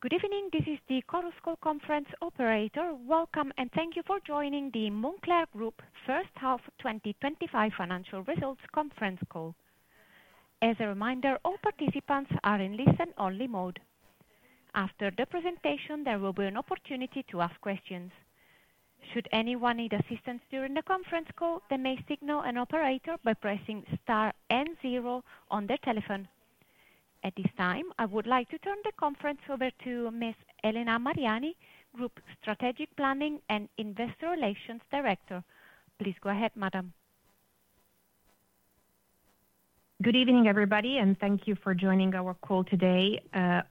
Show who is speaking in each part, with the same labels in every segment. Speaker 1: Good evening, this is the Chorus Call conference operator. Welcome and thank you for joining the Moncler Group First Half 2025 Financial Results Conference Call. As a reminder, all participants are in listen-only mode. After the presentation, there will be an opportunity to ask questions. Should anyone need assistance during the conference call, they may signal an operator by pressing Star N0 on their telephone. At this time, I would like to turn the conference over to Ms. Elena Mariani, Group Strategic Planning and Investor Relations Director. Please go ahead, madam.
Speaker 2: Good evening, everybody, and thank you for joining our call today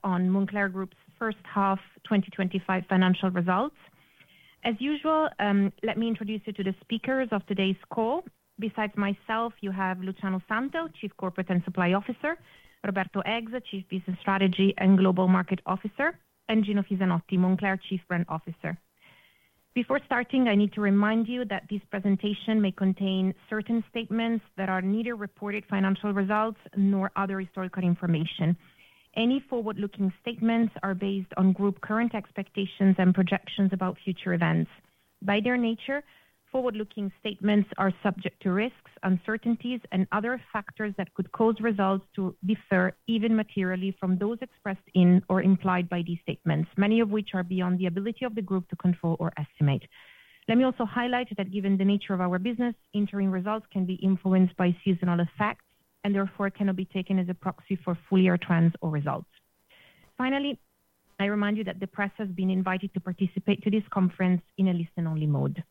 Speaker 2: on Moncler Group's first half 2025 financial results. As usual, let me introduce you to the speakers of today's call. Besides myself, you have Luciano Santel, Chief Corporate and Supply Officer; Roberto Eggs, Chief Business Strategy and Global Market Officer; and Gino Fisanotti, Moncler Chief Brand Officer. Before starting, I need to remind you that this presentation may contain certain statements that are neither reported financial results nor other historical information. Any forward-looking statements are based on group current expectations and projections about future events. By their nature, forward-looking statements are subject to risks, uncertainties, and other factors that could cause results to differ, even materially, from those expressed in or implied by these statements, many of which are beyond the ability of the group to control or estimate. Let me also highlight that, given the nature of our business, interim results can be influenced by seasonal effects and therefore cannot be taken as a proxy for full-year trends or results. Finally, I remind you that the press has been invited to participate in this conference in a listen-only mode.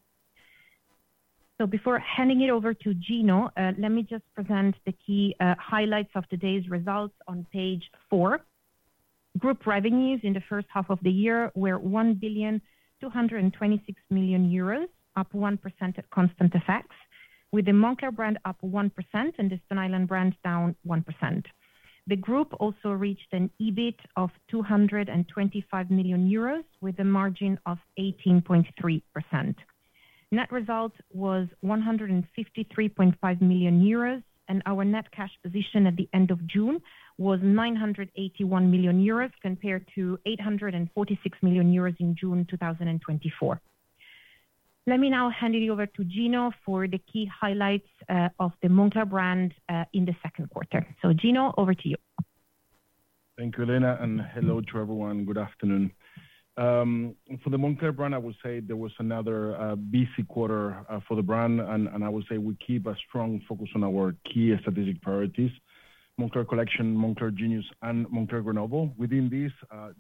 Speaker 2: Before handing it over to Gino, let me just present the key highlights of today's results on page four. Group revenues in the first half of the year were 1.226 billion, up 1% at constant FX, with the Moncler brand up 1% and the Stone Island brand down 1%. The group also reached an EBIT of 225 million euros, with a margin of 18.3%. Net result was 153.5 million euros, and our net cash position at the end of June was 981 million euros compared to 846 million euros in June 2024. Let me now hand it over to Gino for the key highlights of the Moncler brand in the second quarter. Gino, over to you.
Speaker 3: Thank you, Elena, and hello to everyone. Good afternoon. For the Moncler brand, I will say there was another busy quarter for the brand, and I will say we keep a strong focus on our key strategic priorities: Moncler Collection, Moncler Genius, and Moncler Grenoble. Within this,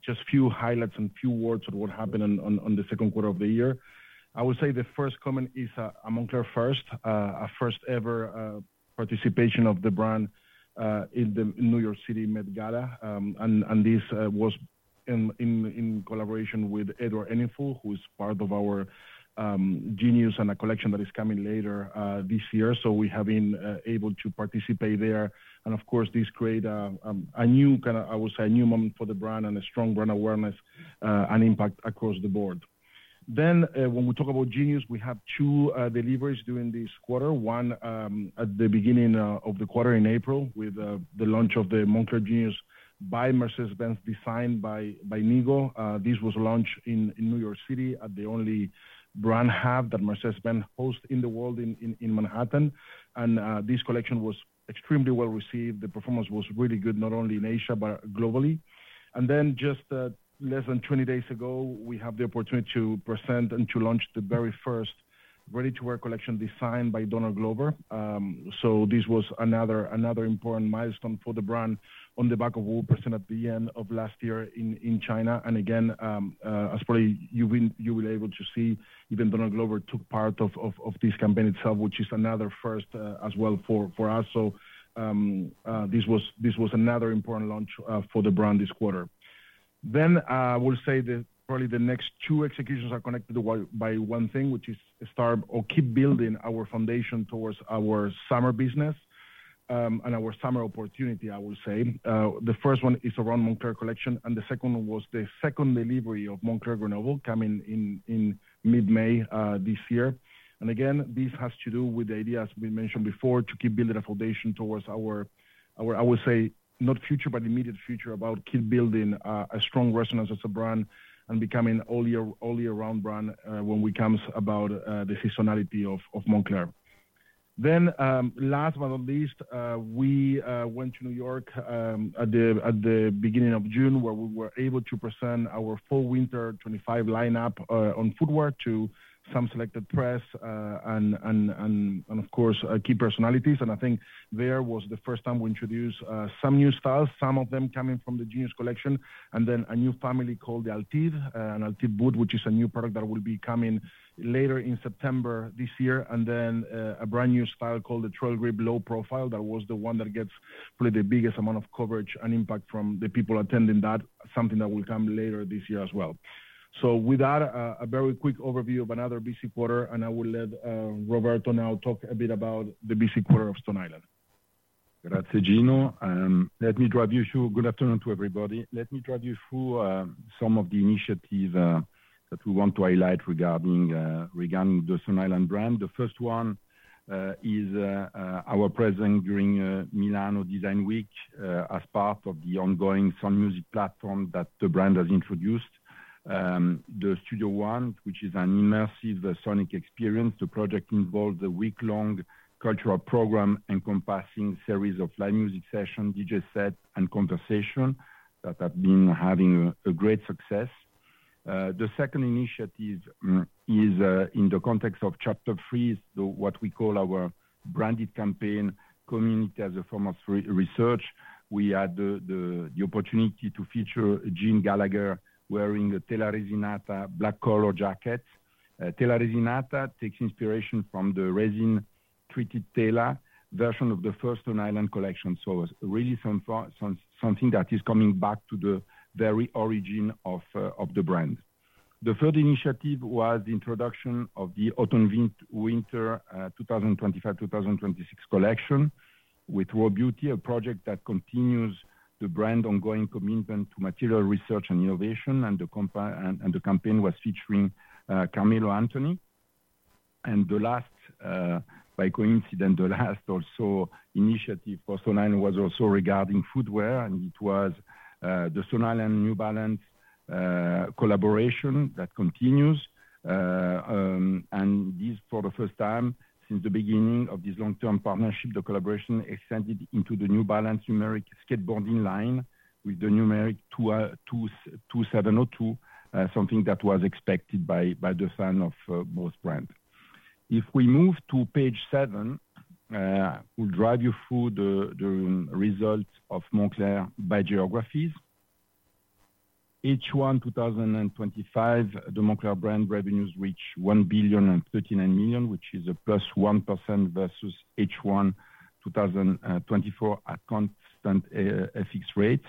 Speaker 3: just a few highlights and a few words on what happened in the second quarter of the year. I will say the first comment is a Moncler first, a first-ever. Participation of the brand in the New York City Met Gala, and this was in collaboration with Edward Enninful, who is part of our Genius and a collection that is coming later this year. We have been able to participate there, and of course, this created a new kind of, I would say, a new moment for the brand and a strong brand awareness and impact across the board. When we talk about Genius, we have two deliveries during this quarter. One at the beginning of the quarter in April, with the launch of the Moncler Genius by Mercedes-Benz, designed by Nigo. This was launched in New York City at the only brand hub that Mercedes-Benz hosts in the world in Manhattan, and this collection was extremely well received. The performance was really good, not only in Asia but globally. Less than 20 days ago, we had the opportunity to present and to launch the very first ready-to-wear collection designed by Donald Glover. This was another important milestone for the brand on the back of what we presented at the end of last year in China. As probably you will be able to see, even Donald Glover took part of this campaign itself, which is another first as well for us. This was another important launch for the brand this quarter. I will say that probably the next two executions are connected by one thing, which is start or keep building our foundation towards our summer business and our summer opportunity, I will say. The first one is around Moncler Collection, and the second one was the second delivery of Moncler Grenoble coming in mid-May this year. This has to do with the idea, as we mentioned before, to keep building a foundation towards our, I would say, not future but immediate future about keep building a strong resonance as a brand and becoming an all-year-round brand when it comes about the seasonality of Moncler. Last but not least, we went to New York at the beginning of June, where we were able to present our Fall/Winter 2025 lineup on footwear to some selected press and, of course, key personalities. I think there was the first time we introduced some new styles, some of them coming from the Genius collection, and then a new family called the Altive, an Altive boot, which is a new product that will be coming later in September this year. A brand new style called the Trailgrip Low Profile was the one that gets probably the biggest amount of coverage and impact from the people attending that, something that will come later this year as well. With that, a very quick overview of another busy quarter, and I will let Roberto now talk a bit about the busy quarter of Stone Island.
Speaker 4: Grazie, Gino. Let me drive you through. Good afternoon to everybody. Let me drive you through some of the initiatives that we want to highlight regarding the Stone Island brand. The first one is our presence during Milano Design Week as part of the ongoing sound music platform that the brand has introduced. The Studio One, which is an immersive sonic experience. The project involves a week-long cultural program encompassing a series of live music sessions, DJ sets, and conversations that have been having great success. The second initiative is in the context of Chapter Three, what we call our branded campaign, Community as a Form of Research. We had the opportunity to feature Gene Gallagher wearing a Tela Resinata black-collar jacket. Tela Resinata takes inspiration from the resin-treated Tela version of the first Stone Island collection. So, really something that is coming back to the very origin of the brand. The third initiative was the introduction of the Autumn/Winter 2025/2026 collection with Raw Beauty, a project that continues the brand's ongoing commitment to material research and innovation. And the campaign was featuring Carmelo Anthony. The last, by coincidence, the last also initiative for Stone Island was also regarding footwear, and it was the Stone Island New Balance collaboration that continues. This, for the first time since the beginning of this long-term partnership, the collaboration extended into the New Balance Numeric skateboarding line with the Numeric 2702, something that was expected by the fans of both brands. If we move to page seven, we'll drive you through the results of Moncler by geographies. H1 2025, the Moncler brand revenues reached 1.39 billion, which is a +1% versus H1 2024 at constant FX rates.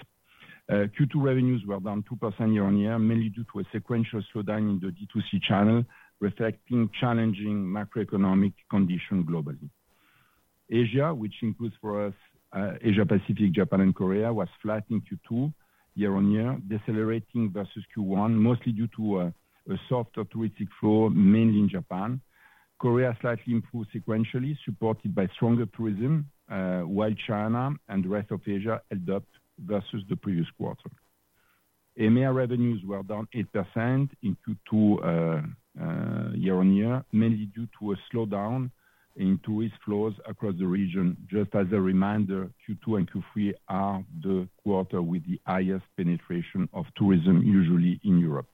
Speaker 4: Q2 revenues were down 2% year-on-year, mainly due to a sequential slowdown in the D2C channel, reflecting challenging macroeconomic conditions globally. Asia, which includes for us Asia Pacific, Japan, and Korea, was flat in Q2 year-on-year, decelerating versus Q1, mostly due to a soft touristic flow, mainly in Japan. Korea slightly improved sequentially, supported by stronger tourism, while China and the rest of Asia held up versus the previous quarter. EMEA revenues were down 8% in Q2 year-on-year, mainly due to a slowdown in tourist flows across the region. Just as a reminder, Q2 and Q3 are the quarters with the highest penetration of tourism, usually in Europe.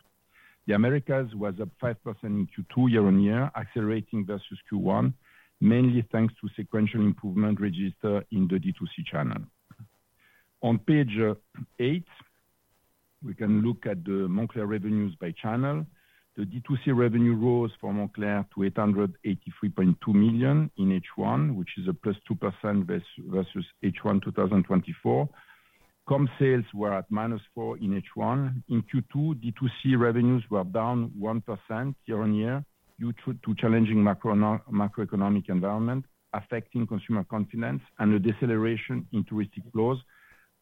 Speaker 4: The Americas was up 5% in Q2 year-on-year, accelerating versus Q1, mainly thanks to sequential improvement registered in the D2C channel. On page eight, we can look at the Moncler revenues by channel. The D2C revenue rose for Moncler to 883.2 million in H1, which is a +2% versus H1 2024. Comp sales were at -4% in H1. In Q2, D2C revenues were down 1% year-on-year due to challenging macroeconomic environment affecting consumer confidence and a deceleration in touristic flows,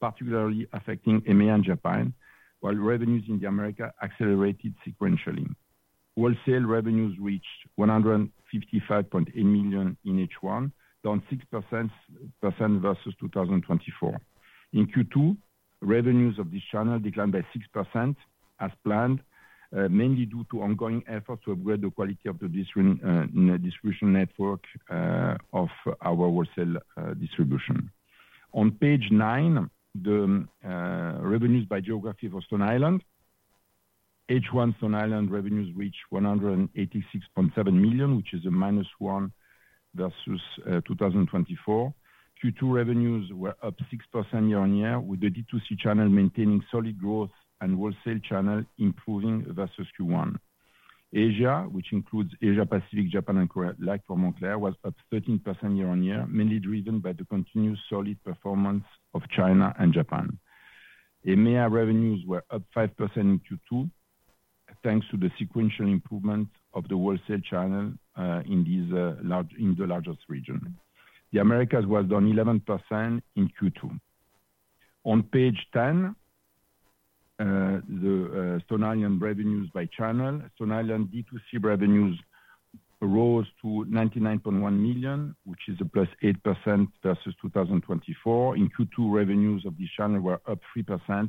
Speaker 4: particularly affecting EMEA and Japan, while revenues in the Americas accelerated sequentially. Wholesale revenues reached 155.8 million in H1, down 6% versus 2024. In Q2, revenues of this channel declined by 6% as planned, mainly due to ongoing efforts to upgrade the quality of the distribution network of our wholesale distribution. On page nine, the revenues by geography for Stone Island. H1 Stone Island revenues reached 186.7 million, which is a minus 1% versus 2024. Q2 revenues were up 6% year-on-year, with the D2C channel maintaining solid growth and Wholesale channel improving versus Q1. Asia, which includes Asia Pacific, Japan, and Korea alike for Moncler, was up 13% year-on-year, mainly driven by the continued solid performance of China and Japan. EMEA revenues were up 5% in Q2, thanks to the sequential improvement of the Wholesale channel in the largest region. The Americas was down 11% in Q2. On page 10, the Stone Island revenues by channel, Stone Island D2C revenues rose to 99.1 million, which is a plus 8% versus 2024. In Q2, revenues of this channel were up 3%,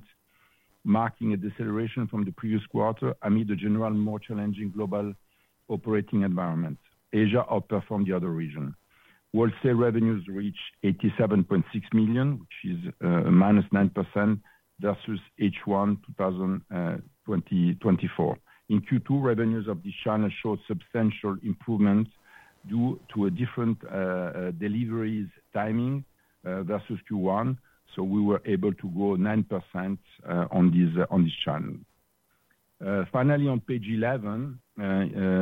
Speaker 4: marking a deceleration from the previous quarter amid a generally more challenging global operating environment. Asia outperformed the other region. Wholesale revenues reached 87.6 million, which is a minus 9% versus H1 2024. In Q2, revenues of this channel showed substantial improvements due to different deliveries timing versus Q1. We were able to grow 9% on this channel. Finally, on page 11,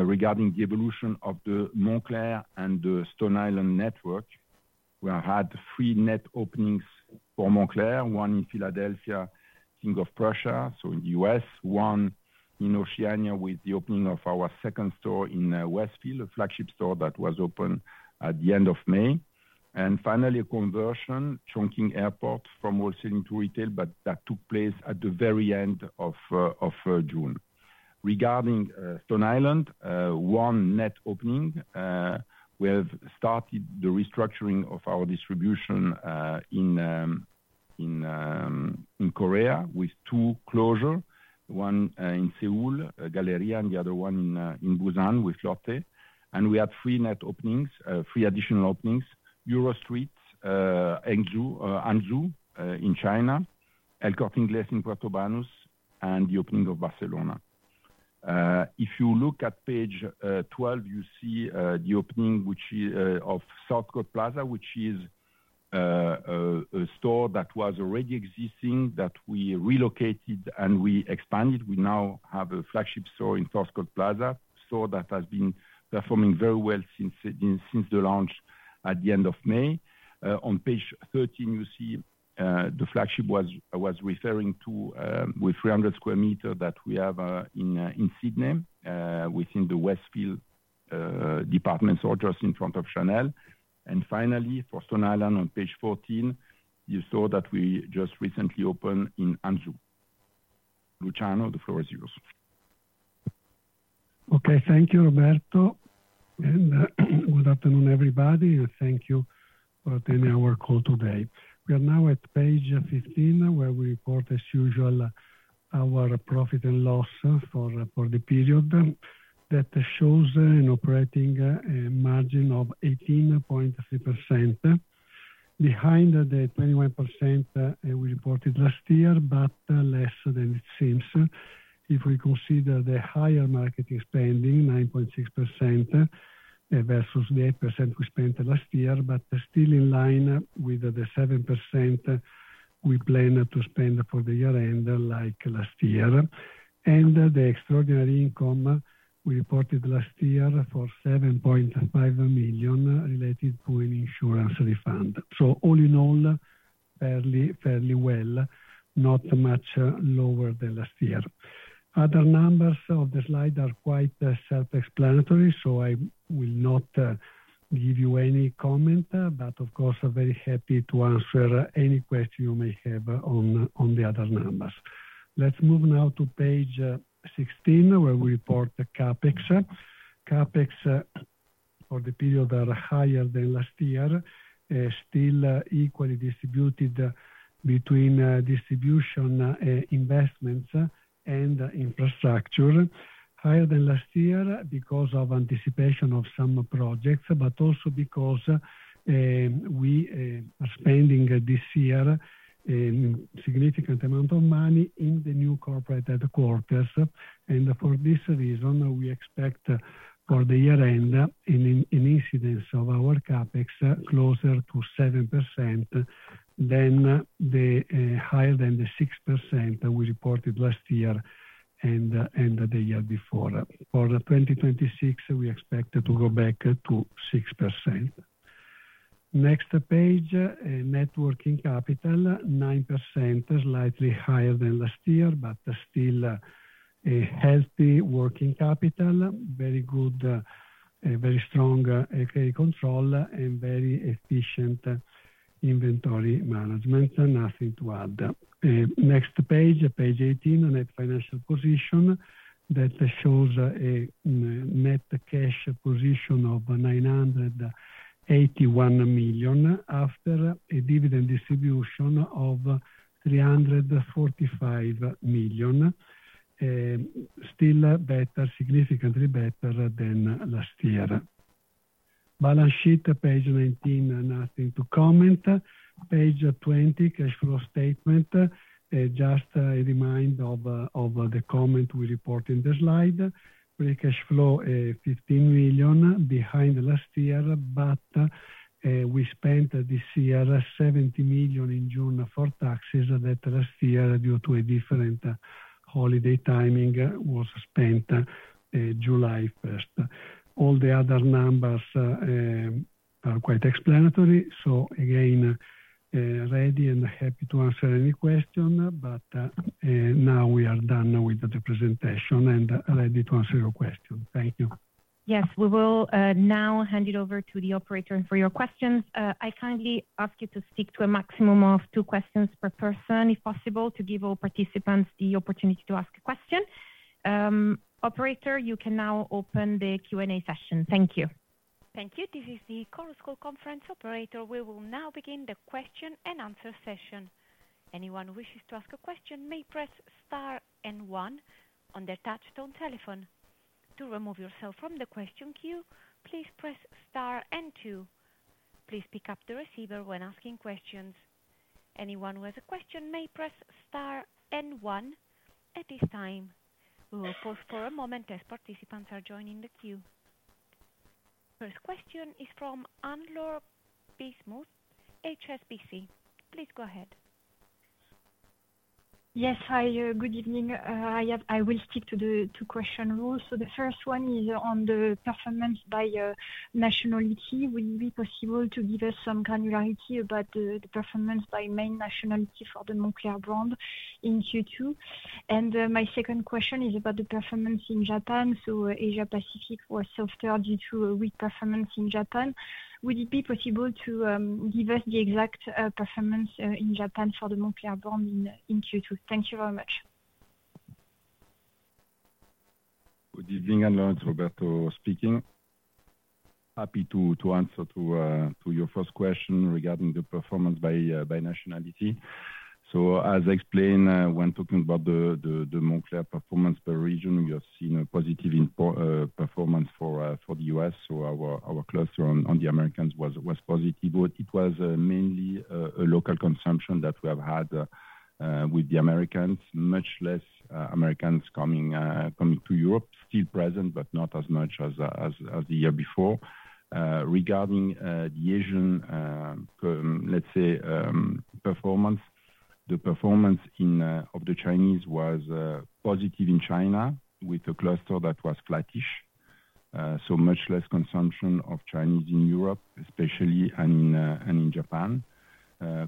Speaker 4: regarding the evolution of the Moncler and the Stone Island network, we had three net openings for Moncler: one in Philadelphia, King of Prussia, in the U.S., one in Oceania, with the opening of our second store in Westfield, a flagship store that was opened at the end of May, and a conversion, Chongqing Airport, from wholesaling to retail, but that took place at the very end of June. Regarding Stone Island, one net opening. We have started the restructuring of our distribution in Korea, with two closures, one in Seoul, Galleria, and the other one in Busan, with Lotte. We had three net openings, three additional openings. Euro Street, Hangzhou in China, El Corte Inglés in Puerto Banús, and the opening of Barcelona. If you look at page 12, you see the opening of South Coast Plaza, which is a store that was already existing that we relocated and we expanded. We now have a flagship store in South Coast Plaza, a store that has been performing very well since the launch at the end of May. On page 13, you see the flagship I was referring to, with 300 sq m that we have in Sydney, within the Westfield department store just in front of Chanel. Finally, for Stone Island, on page 14, the store that we just recently opened in Hangzhou. Luciano, the floor is yours.
Speaker 5: Okay, thank you, Roberto. Good afternoon, everybody, and thank you for attending our call today. We are now at page 15, where we report, as usual, our profit and loss for the period. That shows an operating margin of 18.3%, behind the 21% we reported last year, but less than it seems if we consider the higher marketing spending, 9.6%, versus the 8% we spent last year, but still in line with the 7% we plan to spend for the year-end like last year, and the extraordinary income we reported last year for 7.5 million related to an insurance refund. All in all, fairly well, not much lower than last year. Other numbers of the slide are quite self-explanatory, so I will not give you any comment, but of course, I'm very happy to answer any question you may have on the other numbers. Let's move now to page 16, where we report the CapEx. CapEx for the period that are higher than last year, still equally distributed between distribution investments and infrastructure. Higher than last year because of anticipation of some projects, but also because we are spending this year a significant amount of money in the new corporate headquarters. For this reason, we expect for the year-end an incidence of our CapEx closer to 7% than the higher than the 6% we reported last year and the year before. For 2026, we expect to go back to 6%. Next page, net working capital, 9%, slightly higher than last year, but still a healthy working capital, very good, very strong control, and very efficient inventory management, nothing to add. Next page, page 18, net financial position. That shows a net cash position of 981 million after a dividend distribution of 345 million, still better, significantly better than last year. Balance sheet, page 19, nothing to comment. Page 20, cash flow statement. Just a reminder of the comment we report in the slide. Free cash flow is 15 million behind last year, but we spent this year 70 million in June for taxes that last year, due to a different holiday timing, was spent July 1st. All the other numbers are quite explanatory. Again, ready and happy to answer any question, but now we are done with the presentation and ready to answer your questions. Thank you.
Speaker 2: Yes, we will now hand it over to the operator for your questions. I kindly ask you to stick to a maximum of two questions per person, if possible, to give all participants the opportunity to ask a question. Operator, you can now open the Q&A session. Thank you.
Speaker 1: Thank you. This is the Chorus Call conference operator. We will now begin the question and answer session. Anyone who wishes to ask a question may press Star and One on their touchstone telephone. To remove yourself from the question queue, please press Star and Two. Please pick up the receiver when asking questions. Anyone who has a question may press Star and One at this time. We will pause for a moment as participants are joining the queue. First question is from Anne-Laure Bismuth, HSBC. Please go ahead.
Speaker 6: Yes, hi. Good evening. I will stick to the two questions. The first one is on the performance by nationality. Would it be possible to give us some granularity about the performance by main nationality for the Moncler brand in Q2? My second question is about the performance in Japan. Asia Pacific was softer due to weak performance in Japan. Would it be possible to give us the exact performance in Japan for the Moncler brand in Q2? Thank you very much.
Speaker 4: Good evening, Anne-Laure. Roberto speaking. Happy to answer your first question regarding the performance by nationality. As I explained, when talking about the Moncler performance per region, we have seen a positive performance for the U.S. Our cluster on the Americas was positive. It was mainly a local consumption that we have had. With the Americans, much less Americans coming to Europe, still present, but not as much as the year before. Regarding the Asian, let's say, performance, the performance of the Chinese was positive in China, with a cluster that was flattish. Much less consumption of Chinese in Europe, especially in Japan.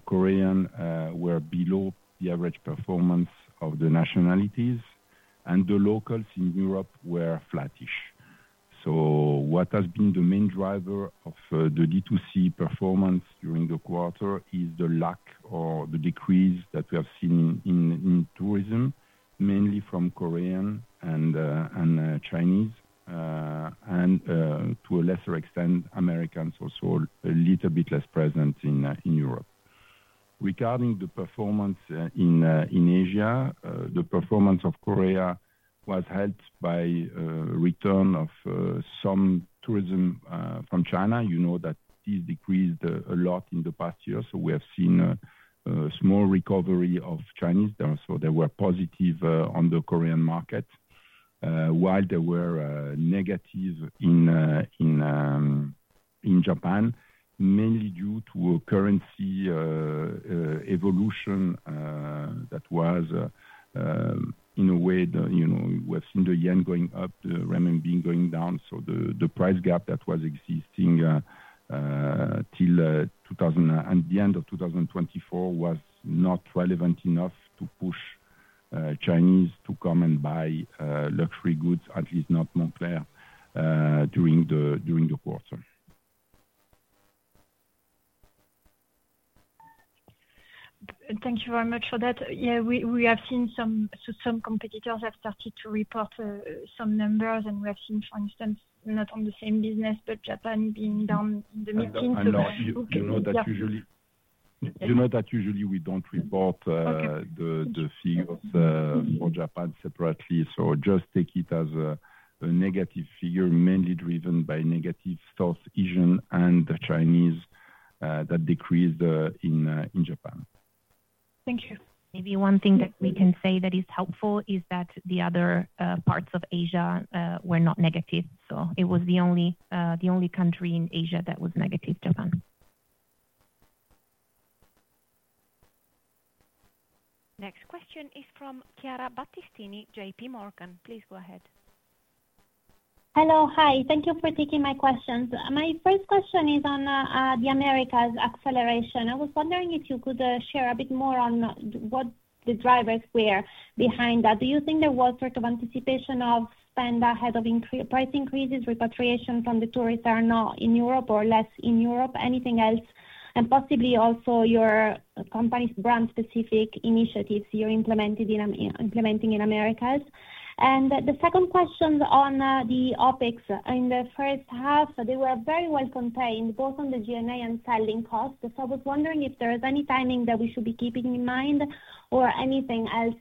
Speaker 4: Koreans were below the average performance of the nationalities, and the locals in Europe were flattish. What has been the main driver of the D2C performance during the quarter is the lack or the decrease that we have seen in tourism, mainly from Koreans and Chinese, and to a lesser extent, Americans also, a little bit less present in Europe. Regarding the performance in Asia, the performance of Korea was helped by a return of some tourism from China. You know that this decreased a lot in the past year. We have seen a small recovery of Chinese, so they were positive on the Korean market, while they were negative in Japan, mainly due to currency evolution. That was, in a way, we have seen the yen going up, the renminbi going down. The price gap that was existing till the end of 2024 was not relevant enough to push Chinese to come and buy luxury goods, at least not Moncler, during the quarter.
Speaker 6: Thank you very much for that. Yeah, we have seen some competitors have started to report some numbers, and we have seen, for instance, not on the same business, but Japan being down in the mid-teens.
Speaker 4: You know that usually we don't report the figures for Japan separately. Just take it as a negative figure, mainly driven by negative South Asian and Chinese. That decrease in Japan.
Speaker 6: Thank you.
Speaker 2: Maybe one thing that we can say that is helpful is that the other parts of Asia were not negative. It was the only country in Asia that was negative, Japan.
Speaker 1: Next question is from Chiara Battistini, J.P. Morgan. Please go ahead.
Speaker 7: Hello. Hi. Thank you for taking my questions. My first question is on the Americas acceleration. I was wondering if you could share a bit more on what the drivers were behind that. Do you think there was sort of anticipation of spend ahead of price increases, repatriation from the tourists are not in Europe or less in Europe? Anything else? Possibly also your company's brand-specific initiatives you're implementing in Americas. The second question on the OpEx. In the first half, they were very well contained, both on the G&A and selling costs. I was wondering if there is any timing that we should be keeping in mind or anything else.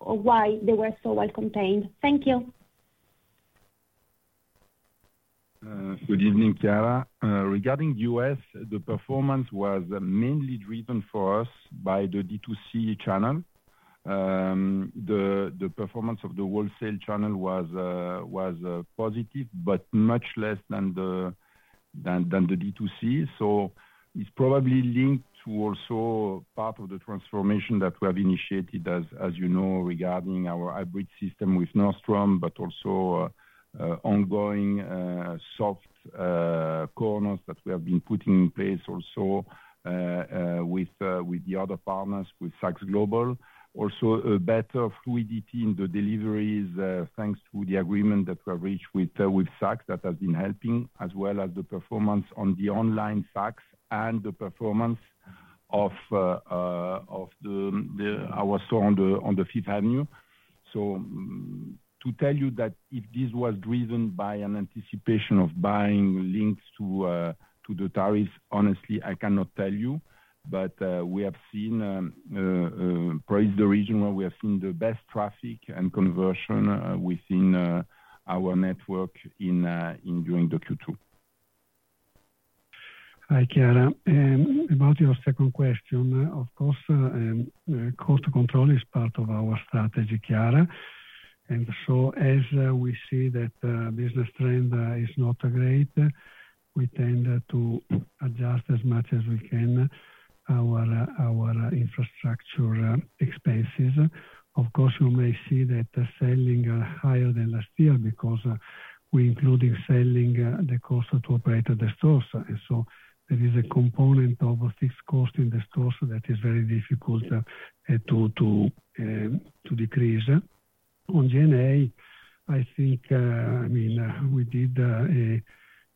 Speaker 7: Why they were so well contained. Thank you.
Speaker 4: Good evening, Chiara. Regarding the U.S., the performance was mainly driven for us by the D2C channel. The performance of the Wholesale channel was positive, but much less than the D2C. It is probably linked to also part of the transformation that we have initiated, as you know, regarding our hybrid system with Nordstrom, but also ongoing soft corners that we have been putting in place also with the other partners, with Saks Global. Also, better fluidity in the deliveries thanks to the agreement that we have reached with Saks that has been helping, as well as the performance on the online Saks and the performance of our store on Fifth Avenue. To tell you that if this was driven by an anticipation of buying linked to the tariffs, honestly, I cannot tell you. We have seen probably the region where we have seen the best traffic and conversion within our network during the Q2.
Speaker 5: Hi, Chiara. About your second question, of course. Cost control is part of our strategy, Chiara. As we see that business trend is not great, we tend to adjust as much as we can our infrastructure expenses. Of course, you may see that selling are higher than last year because we included selling the cost to operate at the stores. There is a component of fixed cost in the stores that is very difficult to decrease. On G&A, I think, I mean, we did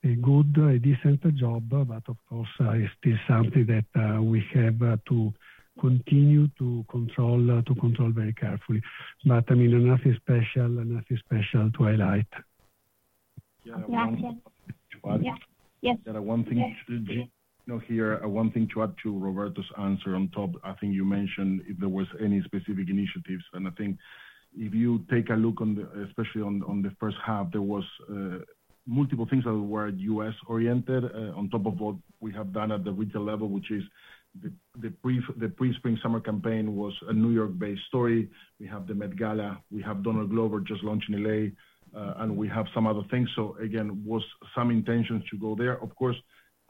Speaker 5: a good, a decent job, but of course, it is still something that we have to continue to control very carefully. I mean, nothing special, nothing special to highlight.
Speaker 8: Yes.
Speaker 3: One thing to hear, one thing to add to Roberto's answer on top, I think you mentioned if there were any specific initiatives. I think if you take a look, especially on the first half, there were multiple things that were U.S.-oriented on top of what we have done at the regional level, which is the pre-spring summer campaign was a New York-based story. We have the Met Gala. We have Donald Glover just launching L.A., and we have some other things. Again, was some intentions to go there. Of course,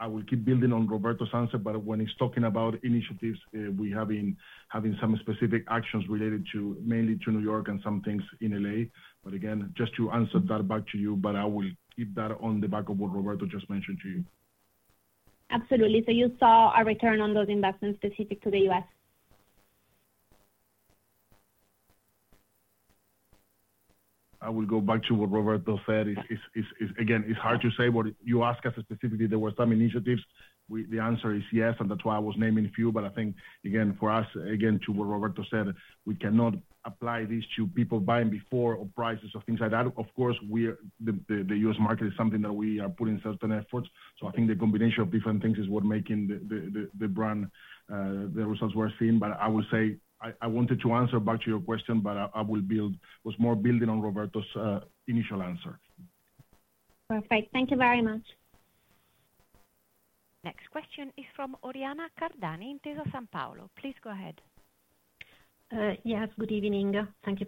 Speaker 3: I will keep building on Roberto's answer, but when he's talking about initiatives, we have been having some specific actions related mainly to New York and some things in L.A.. Again, just to answer that back to you, but I will keep that on the back of what Roberto just mentioned to you.
Speaker 7: Absolutely. You saw a return on those investments specific to the U.S.?
Speaker 3: I will go back to what Roberto said. Again, it's hard to say, but you ask us specifically, there were some initiatives. The answer is yes, and that's why I was naming a few. I think, again, for us, again, to what Roberto said, we cannot apply this to people buying before or prices or things like that. Of course, the U.S. market is something that we are putting certain efforts. I think the combination of different things is what is making the brand. The results we're seeing. I will say, I wanted to answer back to your question, but I will build, was more building on Roberto's initial answer.
Speaker 7: Perfect. Thank you very much.
Speaker 1: Next question is from Oriana Cardani in Intesa Sanpaolo. Please go ahead.
Speaker 9: Yes, good evening. Thank you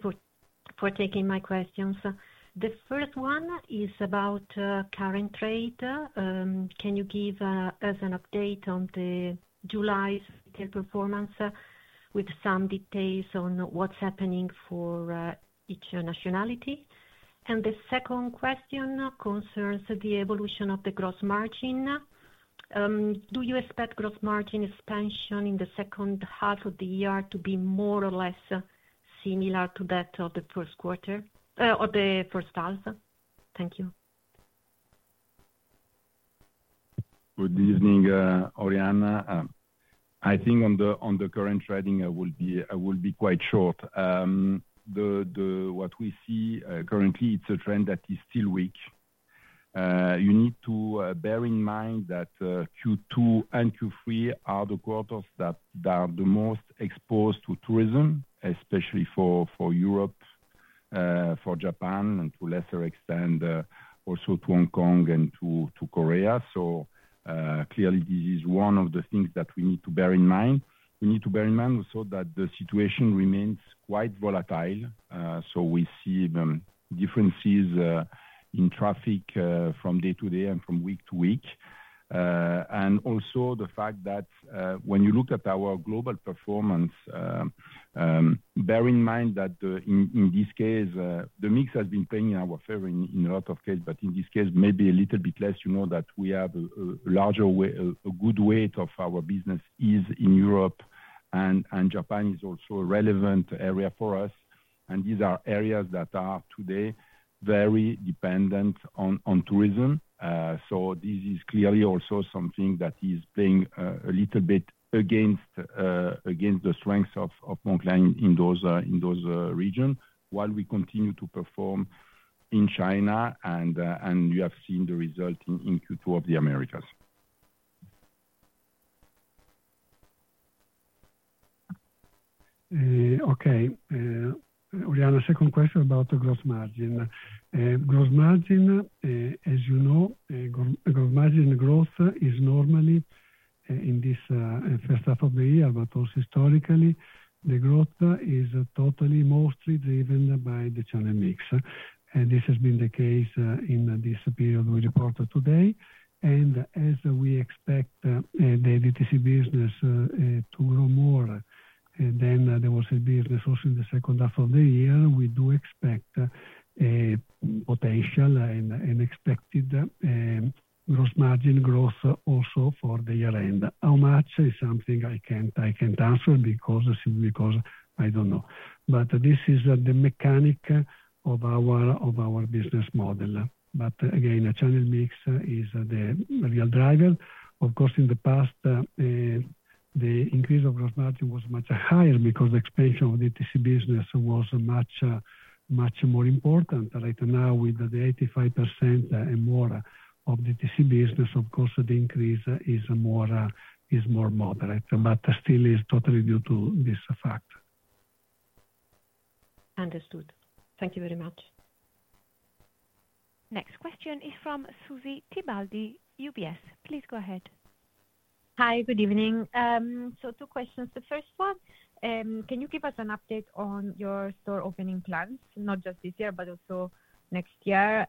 Speaker 9: for taking my questions. The first one is about current rate. Can you give us an update on the July's retail performance with some details on what's happening for each nationality? The second question concerns the evolution of the gross margin. Do you expect gross margin expansion in the second half of the year to be more or less similar to that of the first quarter or the first half? Thank you.
Speaker 4: Good evening, Oriana. I think on the current trading, I will be quite short. What we see currently, it's a trend that is still weak. You need to bear in mind that Q2 and Q3 are the quarters that are the most exposed to tourism, especially for Europe, for Japan, and to a lesser extent, also to Hong Kong and to Korea. Clearly, this is one of the things that we need to bear in mind. We need to bear in mind also that the situation remains quite volatile. We see differences in traffic from day to day and from week to week. Also, the fact that when you look at our global performance, bear in mind that in this case, the mix has been playing in our favor in a lot of cases, but in this case, maybe a little bit less. You know that we have a larger good weight of our business in Europe, and Japan is also a relevant area for us. These are areas that are today very dependent on tourism. This is clearly also something that is playing a little bit against the strength of Moncler in those regions, while we continue to perform in China, and you have seen the result in Q2 of the Americas.
Speaker 5: Okay. Oriana, second question about the gross margin. Gross margin, as you know, gross margin growth is normally in this first half of the year, but also historically, the growth is totally mostly driven by the channel mix. This has been the case in this period we reported today. As we expect the DTC business to grow more than the wholesale business also in the second half of the year, we do expect potential and expected gross margin growth also for the year-end. How much is something I can't answer because I don't know. This is the mechanic of our business model. Again, the channel mix is the real driver. Of course, in the past, the increase of gross margin was much higher because the expansion of the DTC business was much more important. Right now, with the 85% and more of DTC business, the increase is more moderate, but still is totally due to this fact.
Speaker 9: Understood. Thank you very much.
Speaker 1: Next question is from Susy Tibaldi, UBS. Please go ahead.
Speaker 10: Hi, good evening. Two questions. The first one, can you give us an update on your store opening plans, not just this year, but also next year?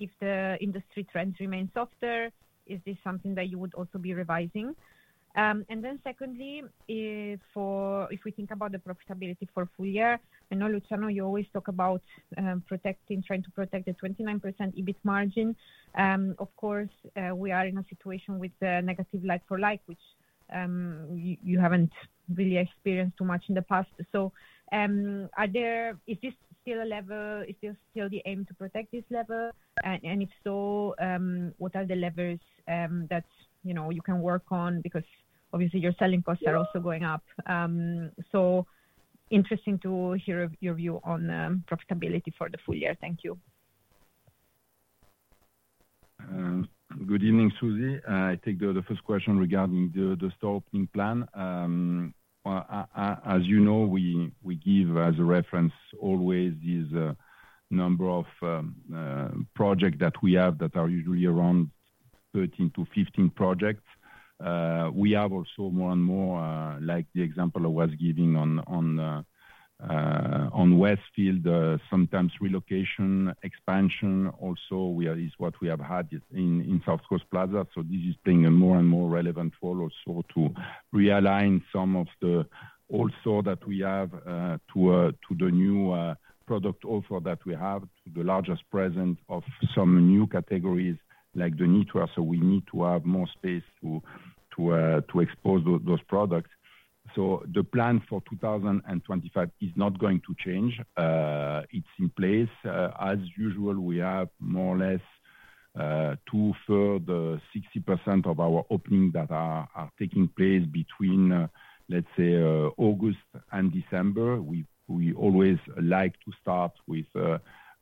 Speaker 10: If the industry trends remain softer, is this something that you would also be revising? Secondly, if we think about the profitability for full year, I know, Luciano, you always talk about trying to protect the 29% EBIT margin. Of course, we are in a situation with negative like-for-like, which you haven't really experienced too much in the past. Is this still a level? Is this still the aim to protect this level? If so, what are the levers that you can work on? Obviously, your selling costs are also going up. Interesting to hear your view on profitability for the full year. Thank you.
Speaker 4: Good evening, Susy. I take the first question regarding the store opening plan. As you know, we give as a reference always this number of projects that we have that are usually around 13-15 projects. We have also more and more, like the example I was giving on Westfield, sometimes relocation expansion also is what we have had in South Coast Plaza. This is playing a more and more relevant role also to realign some of the old stores that we have to the new product offer that we have, to the largest presence of some new categories like the knitwear. We need to have more space to expose those products. The plan for 2025 is not going to change. It's in place. As usual, we have more or less two-thirds, 60% of our openings that are taking place between, let's say, August and December. We always like to start with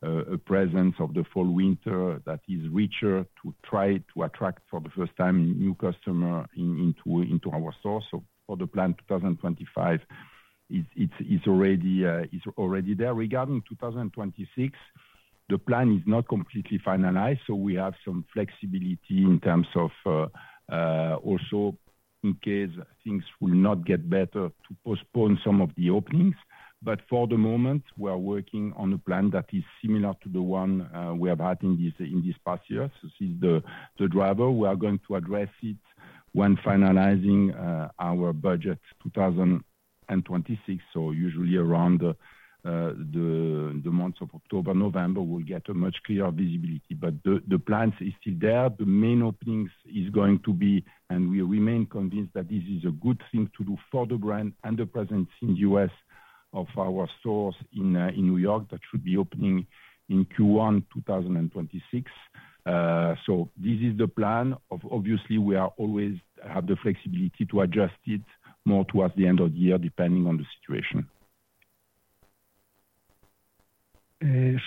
Speaker 4: a presence of the fall-winter that is richer to try to attract for the first time new customers into our store. For the plan, 2025 is already there. Regarding 2026, the plan is not completely finalized. We have some flexibility in terms of, also, in case things will not get better, to postpone some of the openings. For the moment, we are working on a plan that is similar to the one we have had in this past year. This is the driver. We are going to address it when finalizing our budget 2026. Usually around the months of October and November, we'll get a much clearer visibility. The plan is still there. The main openings are going to be, and we remain convinced that this is a good thing to do for the brand and the presence in the U.S. of our stores in New York that should be opening in Q1 2026. This is the plan. Obviously, we have the flexibility to adjust it more towards the end of the year depending on the situation.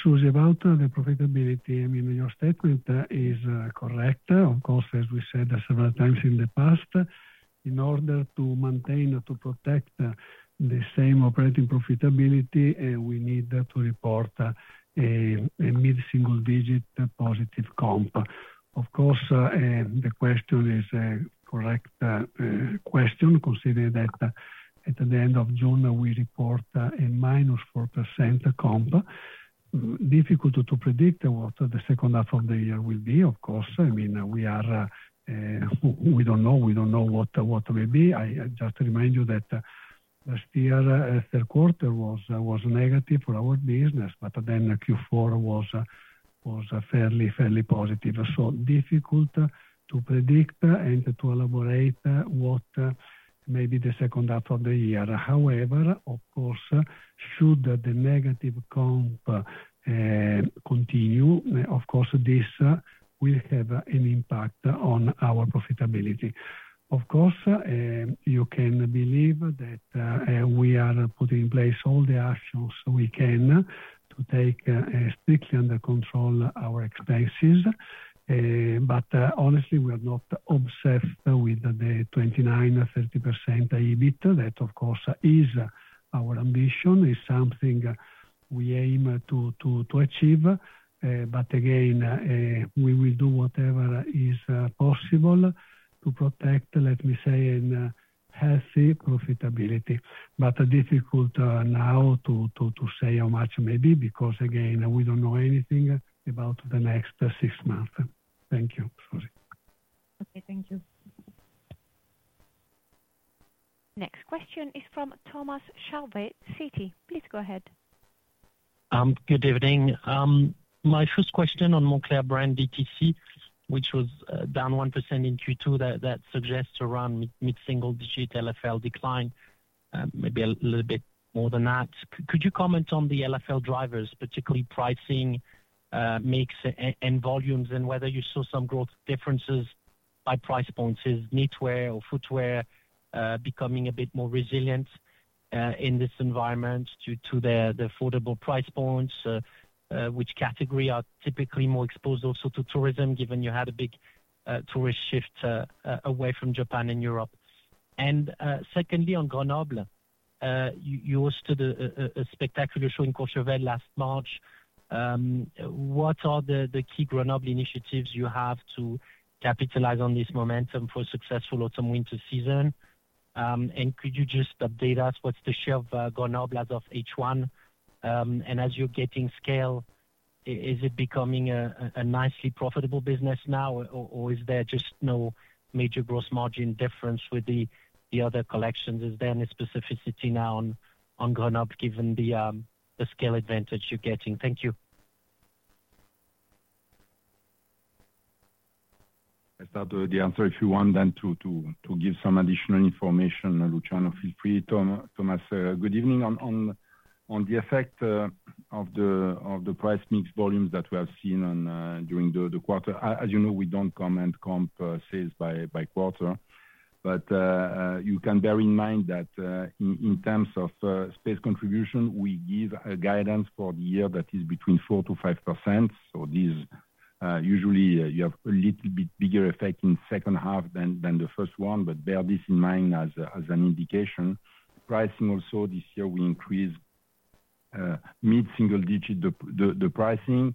Speaker 5: Susy, about the profitability, I mean, your statement is correct. Of course, as we said several times in the past. In order to maintain or to protect the same operating profitability, we need to report a mid-single-digit positive comp. Of course, the question is a correct question, considering that at the end of June, we report a -4% comp. Difficult to predict what the second half of the year will be, of course. I mean, we don't know what it will be. I just remind you that last year, the third quarter was negative for our business, but then Q4 was fairly positive. Difficult to predict and to elaborate what may be the second half of the year. However, of course, should the negative comp continue, of course, this will have an impact on our profitability. Of course, you can believe that we are putting in place all the actions we can to take strictly under control our expenses. Honestly, we are not obsessed with the 29%-30% EBIT. That, of course, is our ambition. It's something we aim to achieve. Again, we will do whatever is possible to protect, let me say, a healthy profitability. Difficult now to say how much may be because, again, we don't know anything about the next six months. Thank you, Susy.
Speaker 10: Okay, thank you.
Speaker 1: Next question is from Thomas Chauvet, Citi. Please go ahead.
Speaker 11: Good evening. My first question on Moncler brand DTC, which was down 1% in Q2, that suggests around mid-single-digit LFL decline, maybe a little bit more than that. Could you comment on the LFL drivers, particularly pricing, mix and volumes, and whether you saw some growth differences by price points, is knitwear or footwear becoming a bit more resilient in this environment to the affordable price points? Which category are typically more exposed also to tourism, given you had a big tourist shift away from Japan and Europe? Secondly, on Grenoble. You hosted a spectacular show in Courchevel last March. What are the key Grenoble initiatives you have to capitalize on this momentum for a successful autumn-winter season? Could you just update us? What's the share of Grenoble as of H1? As you're getting scale, is it becoming a nicely profitable business now, or is there just no major gross margin difference with the other collections? Is there any specificity now on Grenoble given the scale advantage you're getting? Thank you.
Speaker 4: I start with the answer if you want then to give some additional information, Luciano. Feel free, -- Thomas. Good evening on. The effect of the price mix volumes that we have seen during the quarter. As you know, we do not comment comp sales by quarter. You can bear in mind that in terms of space contribution, we give a guidance for the year that is between 4%-5%. Usually, you have a little bit bigger effect in the second half than the first one, but bear this in mind as an indication. Pricing also this year, we increased mid-single-digit the pricing.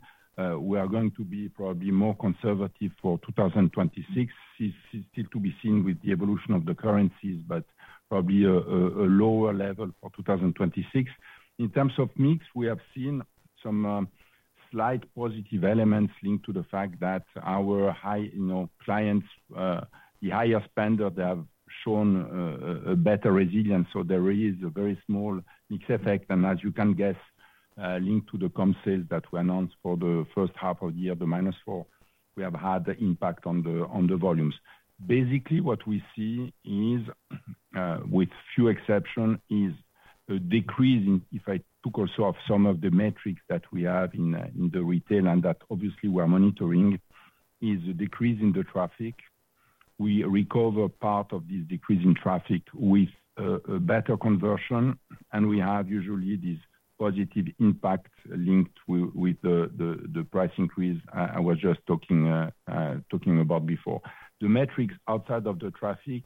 Speaker 4: We are going to be probably more conservative for 2026. It is still to be seen with the evolution of the currencies, but probably a lower level for 2026. In terms of mix, we have seen some slight positive elements linked to the fact that our high clients, the higher spenders, they have shown a better resilience. There is a very small mix effect. As you can guess, linked to the comp sales that were announced for the first half of the year, the minus 4%, we have had impact on the volumes. Basically, what we see is, with few exceptions, is a decrease in, if I took also some of the metrics that we have in the retail and that obviously we are monitoring, is a decrease in the traffic. We recover part of this decrease in traffic with a better conversion, and we have usually this positive impact linked with the price increase I was just talking about before. The metrics outside of the traffic,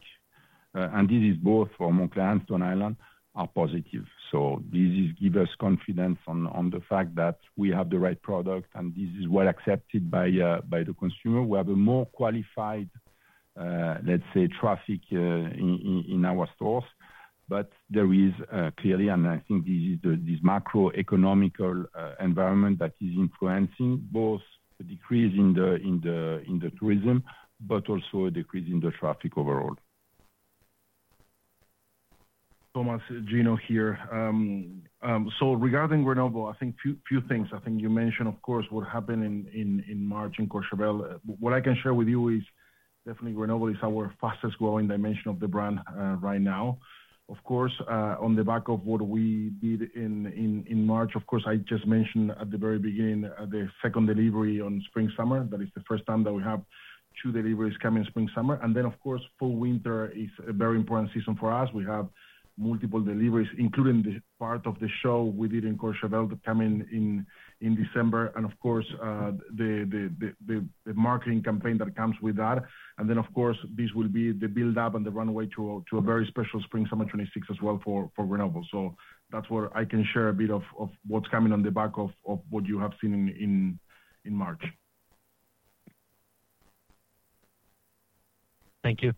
Speaker 4: and this is both for Moncler and Stone Island, are positive. This gives us confidence on the fact that we have the right product, and this is well accepted by the consumer. We have a more qualified, let's say, traffic in our stores. There is clearly, and I think this is this macroeconomical environment that is influencing both a decrease in the tourism, but also a decrease in the traffic overall.
Speaker 3: Thomas, Gino here. Regarding Grenoble, I think a few things. I think you mentioned, of course, what happened in March in Courchevel. What I can share with you is definitely Grenoble is our fastest growing dimension of the brand right now. Of course, on the back of what we did in March, I just mentioned at the very beginning the second delivery on spring-summer. That is the first time that we have two deliveries coming spring-summer. Then, of course, fall-winter is a very important season for us. We have multiple deliveries, including the part of the show we did in Courchevel that came in December. Of course, the marketing campaign that comes with that. Then, of course, this will be the build-up and the runway to a very special spring-summer 2026 as well for Grenoble. That is where I can share a bit of what is coming on the back of what you have seen in March.
Speaker 11: Thank you.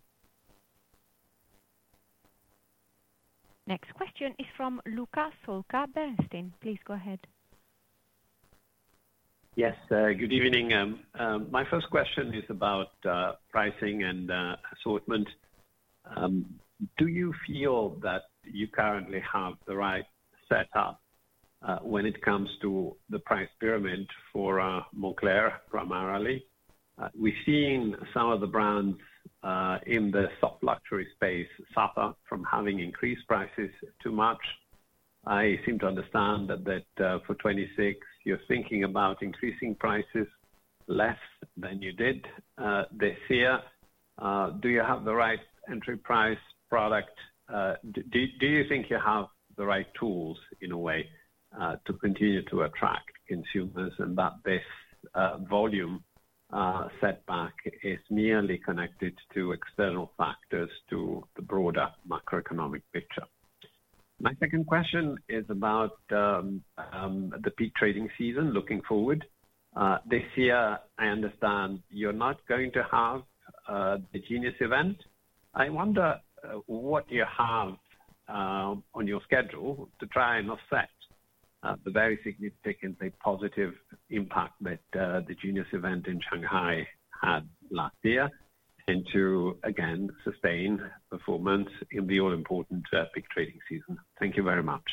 Speaker 1: Next question is from Luca Solca, Bernstein. Please go ahead.
Speaker 12: Yes, good evening. My first question is about pricing and assortment. Do you feel that you currently have the right setup when it comes to the price pyramid for Moncler primarily? We've seen some of the brands in the soft luxury space suffer from having increased prices too much. I seem to understand that for 2026, you're thinking about increasing prices less than you did this year. Do you have the right entry price product? Do you think you have the right tools in a way to continue to attract consumers and that this volume setback is merely connected to external factors, to the broader macroeconomic picture? My second question is about the peak trading season looking forward. This year, I understand you're not going to have the Genius event. I wonder what you have on your schedule to try and offset the very significant, say, positive impact that the Genius event in Shanghai had last year and to, again, sustain performance in the all-important peak trading season. Thank you very much.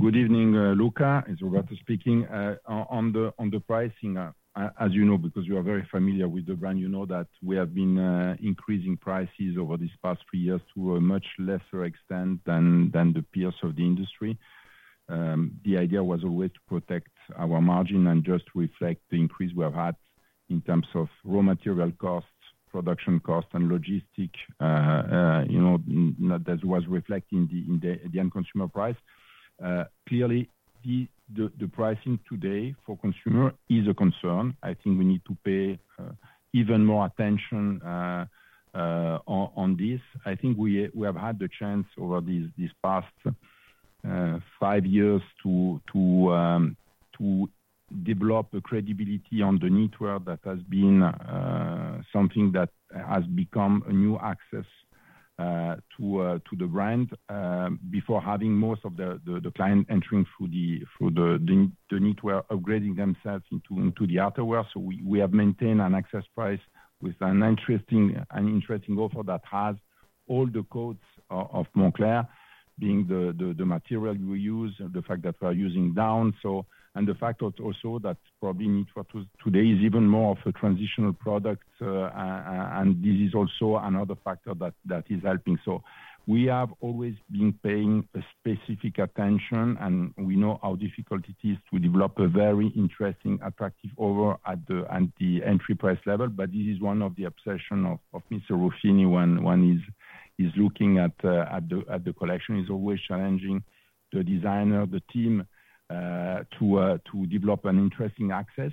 Speaker 4: Good evening, Luca. It's Roberto speaking. On the pricing, as you know, because you are very familiar with the brand, you know that we have been increasing prices over these past three years to a much lesser extent than the peers of the industry. The idea was always to protect our margin and just reflect the increase we have had in terms of raw material costs, production costs, and logistic. That was reflected in the end consumer price. Clearly, the pricing today for consumers is a concern. I think we need to pay even more attention on this. I think we have had the chance over these past five years to develop a credibility on the knitwear that has been something that has become a new access to the brand before having most of the clients entering through the knitwear, upgrading themselves into the outerwear. We have maintained an access price with an interesting offer that has all the codes of Moncler, being the material we use, the fact that we are using down, and the fact also that probably knitwear today is even more of a transitional product. This is also another factor that is helping. We have always been paying specific attention, and we know how difficult it is to develop a very interesting, attractive offer at the entry price level. This is one of the obsessions of Mr. Ruffini when he's looking at the collection. It's always challenging the designer, the team, to develop an interesting access.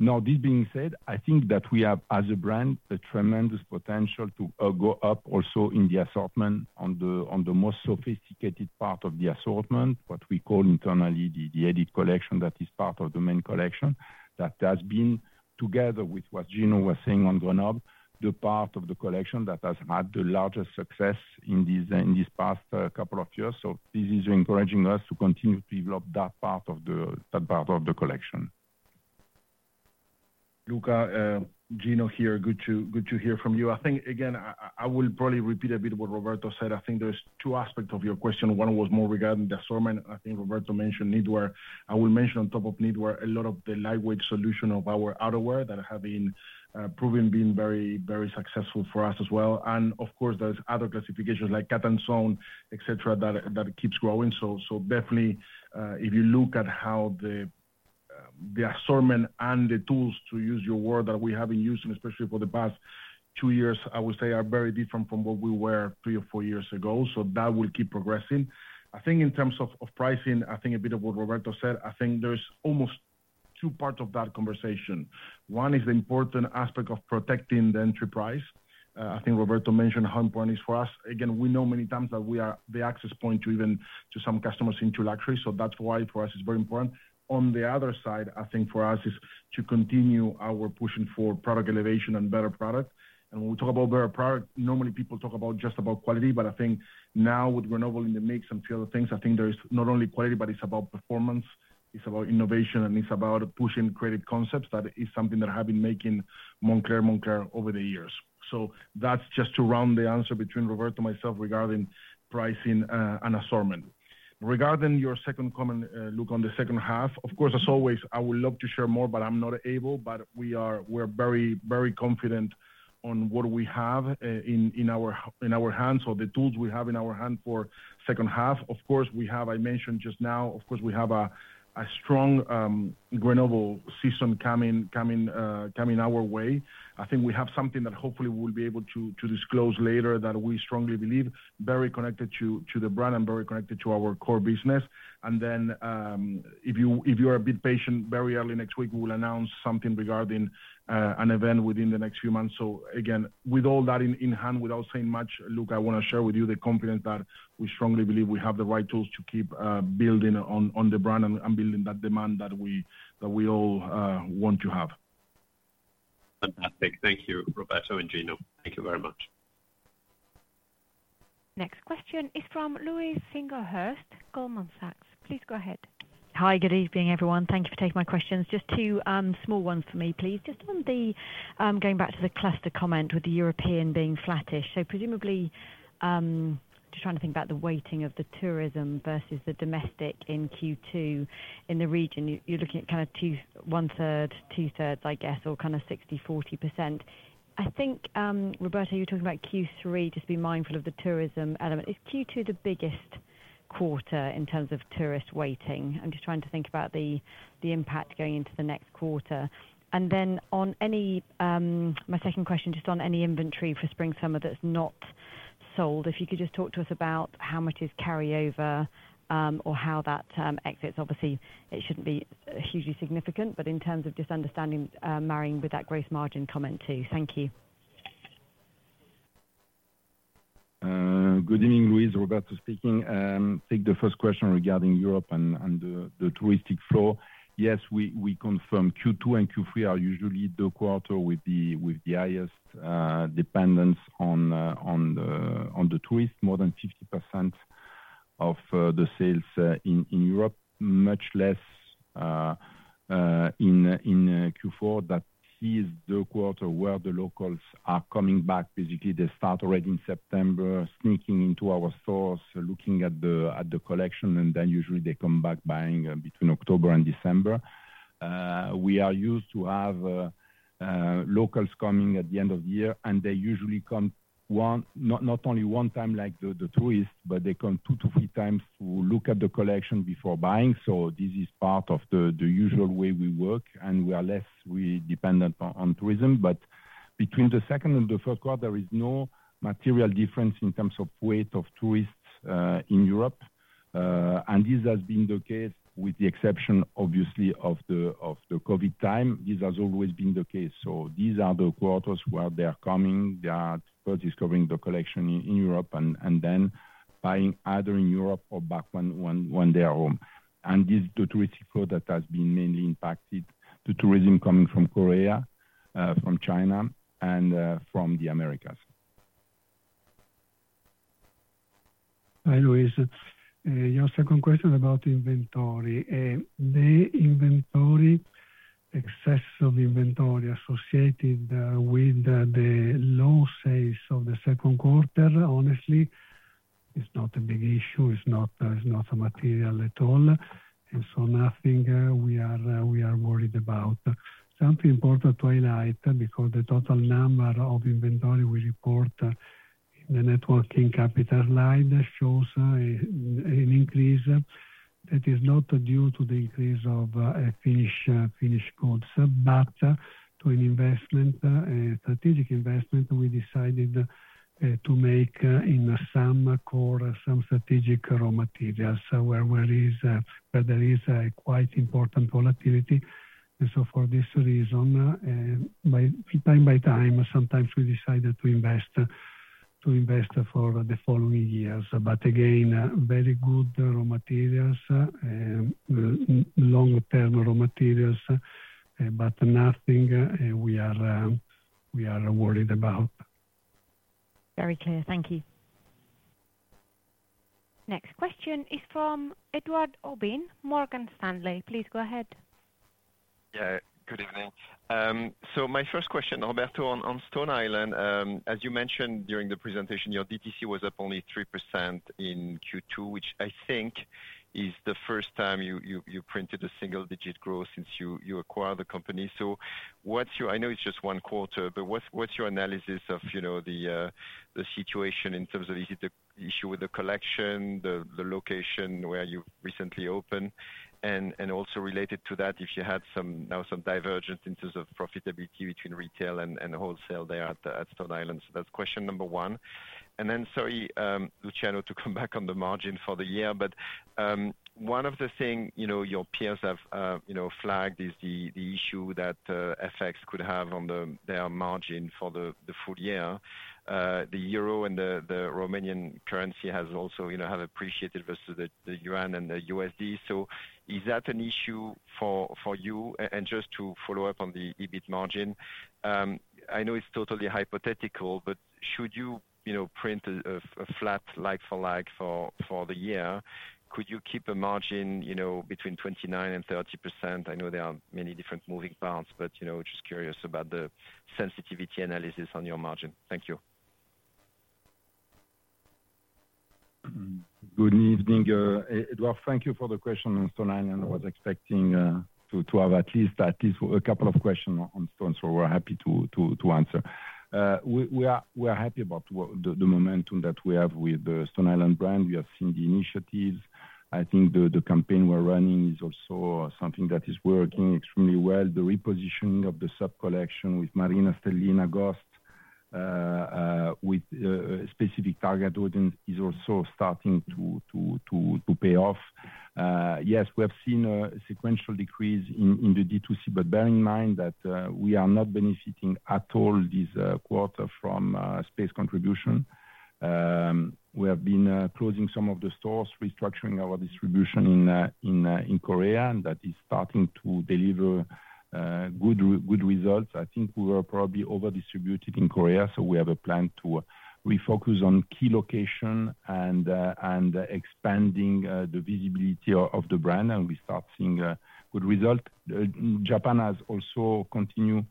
Speaker 4: This being said, I think that we have, as a brand, a tremendous potential to go up also in the assortment on the most sophisticated part of the assortment, what we call internally the Edit Collection, that is part of the main collection that has been, together with what Gino was saying on Grenoble, the part of the collection that has had the largest success in these past couple of years. This is encouraging us to continue to develop that part of the collection.
Speaker 3: Luca, Gino here, good to hear from you. I think, again, I will probably repeat a bit of what Roberto said. I think there's two aspects of your question. One was more regarding the assortment. I think Roberto mentioned knitwear. I will mention on top of knitwear a lot of the lightweight solution of our outerwear that have been proven to be very successful for us as well. Of course, there are other classifications like cat and sewn, et cetera., that keep growing. Definitely, if you look at how the assortment and the tools, to use your word, that we have been using, especially for the past two years, I would say are very different from what we were three or four years ago. That will keep progressing. I think in terms of pricing, I think a bit of what Roberto said, I think there's almost two parts of that conversation. One is the important aspect of protecting the entry price. I think Roberto mentioned how important it is for us. Again, we know many times that we are the access point to even some customers into luxury. That is why for us it is very important. On the other side, I think for us is to continue our pushing for product elevation and better product. When we talk about better product, normally people talk just about quality, but I think now with Grenoble in the mix and a few other things, I think there is not only quality, but it is about performance, it is about innovation, and it is about pushing creative concepts that is something that has been making Moncler, Moncler over the years. That is just to round the answer between Roberto and myself regarding pricing and assortment. Regarding your second comment, Luca, on the second half, of course, as always, I would love to share more, but I am not able. We are very confident on what we have in our hands. The tools we have in our hand for the second half, of course, we have, I mentioned just now, of course, we have a strong Grenoble season coming our way. I think we have something that hopefully we will be able to disclose later that we strongly believe is very connected to the brand and very connected to our core business. If you are a bit patient, very early next week, we will announce something regarding an event within the next few months. Again, with all that in hand, without saying much, Luca, I want to share with you the confidence that we strongly believe we have the right tools to keep building on the brand and building that demand that we all want to have.
Speaker 12: Fantastic. Thank you, Roberto and Gino. Thank you very much.
Speaker 1: Next question is from Louise Singlehurst, Goldman Sachs. Please go ahead.
Speaker 13: Hi, good evening, everyone. Thank you for taking my questions. Just two small ones for me, please. Just on the going back to the cluster comment with the European being flattish. Presumably, just trying to think about the weighting of the tourism versus the domestic in Q2 in the region. You're looking at kind of 1/3, 2/3, I guess, or kind of 60%-40%. I think, Roberto, you're talking about Q3, just being mindful of the tourism element. Is Q2 the biggest quarter in terms of tourist weighting? I'm just trying to think about the impact going into the next quarter. My second question, just on any inventory for spring-summer that's not sold, if you could just talk to us about how much is carryover or how that exits. Obviously, it shouldn't be hugely significant, but in terms of just understanding, marrying with that gross margin comment too. Thank you.
Speaker 4: Good evening, Louise. Roberto speaking. Take the first question regarding Europe and the touristic floor. Yes, we confirm Q2 and Q3 are usually the quarters with the highest dependence on the tourists, more than 50% of the sales in Europe, much less in Q4. That is the quarter where the locals are coming back. Basically, they start already in September, sneaking into our stores, looking at the collection, and then usually they come back buying between October and December. We are used to have locals coming at the end of the year, and they usually come not only one time like the tourists, but they come two to three times to look at the collection before buying. This is part of the usual way we work, and we are less dependent on tourism. Between the second and the third quarter, there is no material difference in terms of weight of tourists in Europe. This has been the case with the exception, obviously, of the COVID time. This has always been the case. These are the quarters where they're coming. They are first discovering the collection in Europe and then buying either in Europe or back when they are home. This is the touristic floor that has been mainly impacted, the tourism coming from Korea, from China, and from the Americas.
Speaker 5: Hi, Louise. Your second question about inventory. The inventory. Excess of inventory associated with the low sales of the second quarter, honestly. It's not a big issue. It's not material at all. Nothing we are worried about. Something important to highlight, because the total number of inventory we report in the net working capital slide shows an increase that is not due to the increase of finished goods, but to an investment, a strategic investment we decided to make in some core, some strategic raw materials where there is quite important volatility. For this reason, time by time, sometimes we decided to invest for the following years. Again, very good raw materials, long-term raw materials. Nothing we are worried about.
Speaker 13: Very clear. Thank you.
Speaker 1: Next question is from Edouard Aubin, Morgan Stanley. Please go ahead.
Speaker 14: Yeah, good evening. My first question, Roberto, on Stone Island, as you mentioned during the presentation, your DTC was up only 3% in Q2, which I think is the first time you printed a single-digit growth since you acquired the company. I know it's just one quarter, but what's your analysis of the situation in terms of is it the issue with the collection, the location where you recently opened, and also related to that, if you had now some divergence in terms of profitability between retail and wholesale there at Stone Island? That's question number one. Sorry, Luciano, to come back on the margin for the year, but one of the things your peers have flagged is the issue that FX could have on their margin for the full year. The euro and the Romanian currency have appreciated versus the yuan and the USD. Is that an issue for you? Just to follow up on the EBIT margin, I know it's totally hypothetical, but should you print a flat like-for-like for the year, could you keep a margin between 29%-30%? I know there are many different moving parts, but just curious about the sensitivity analysis on your margin. Thank you.
Speaker 4: Good evening, Edouard. Thank you for the question on Stone Island. I was expecting to have at least a couple of questions on Stone, so we're happy to answer. We are happy about the momentum that we have with the Stone Island brand. We have seen the initiatives. I think the campaign we're running is also something that is working extremely well. The repositioning of the sub-collection with Marina, Stellina, Ghost, with a specific target audience, is also starting to pay off. Yes, we have seen a sequential decrease in the D2C, but bear in mind that we are not benefiting at all this quarter from space contribution. We have been closing some of the stores, restructuring our distribution in Korea, and that is starting to deliver good results. I think we were probably over-distributed in Korea, so we have a plan to refocus on key location and expanding the visibility of the brand, and we start seeing good results. Japan has also continued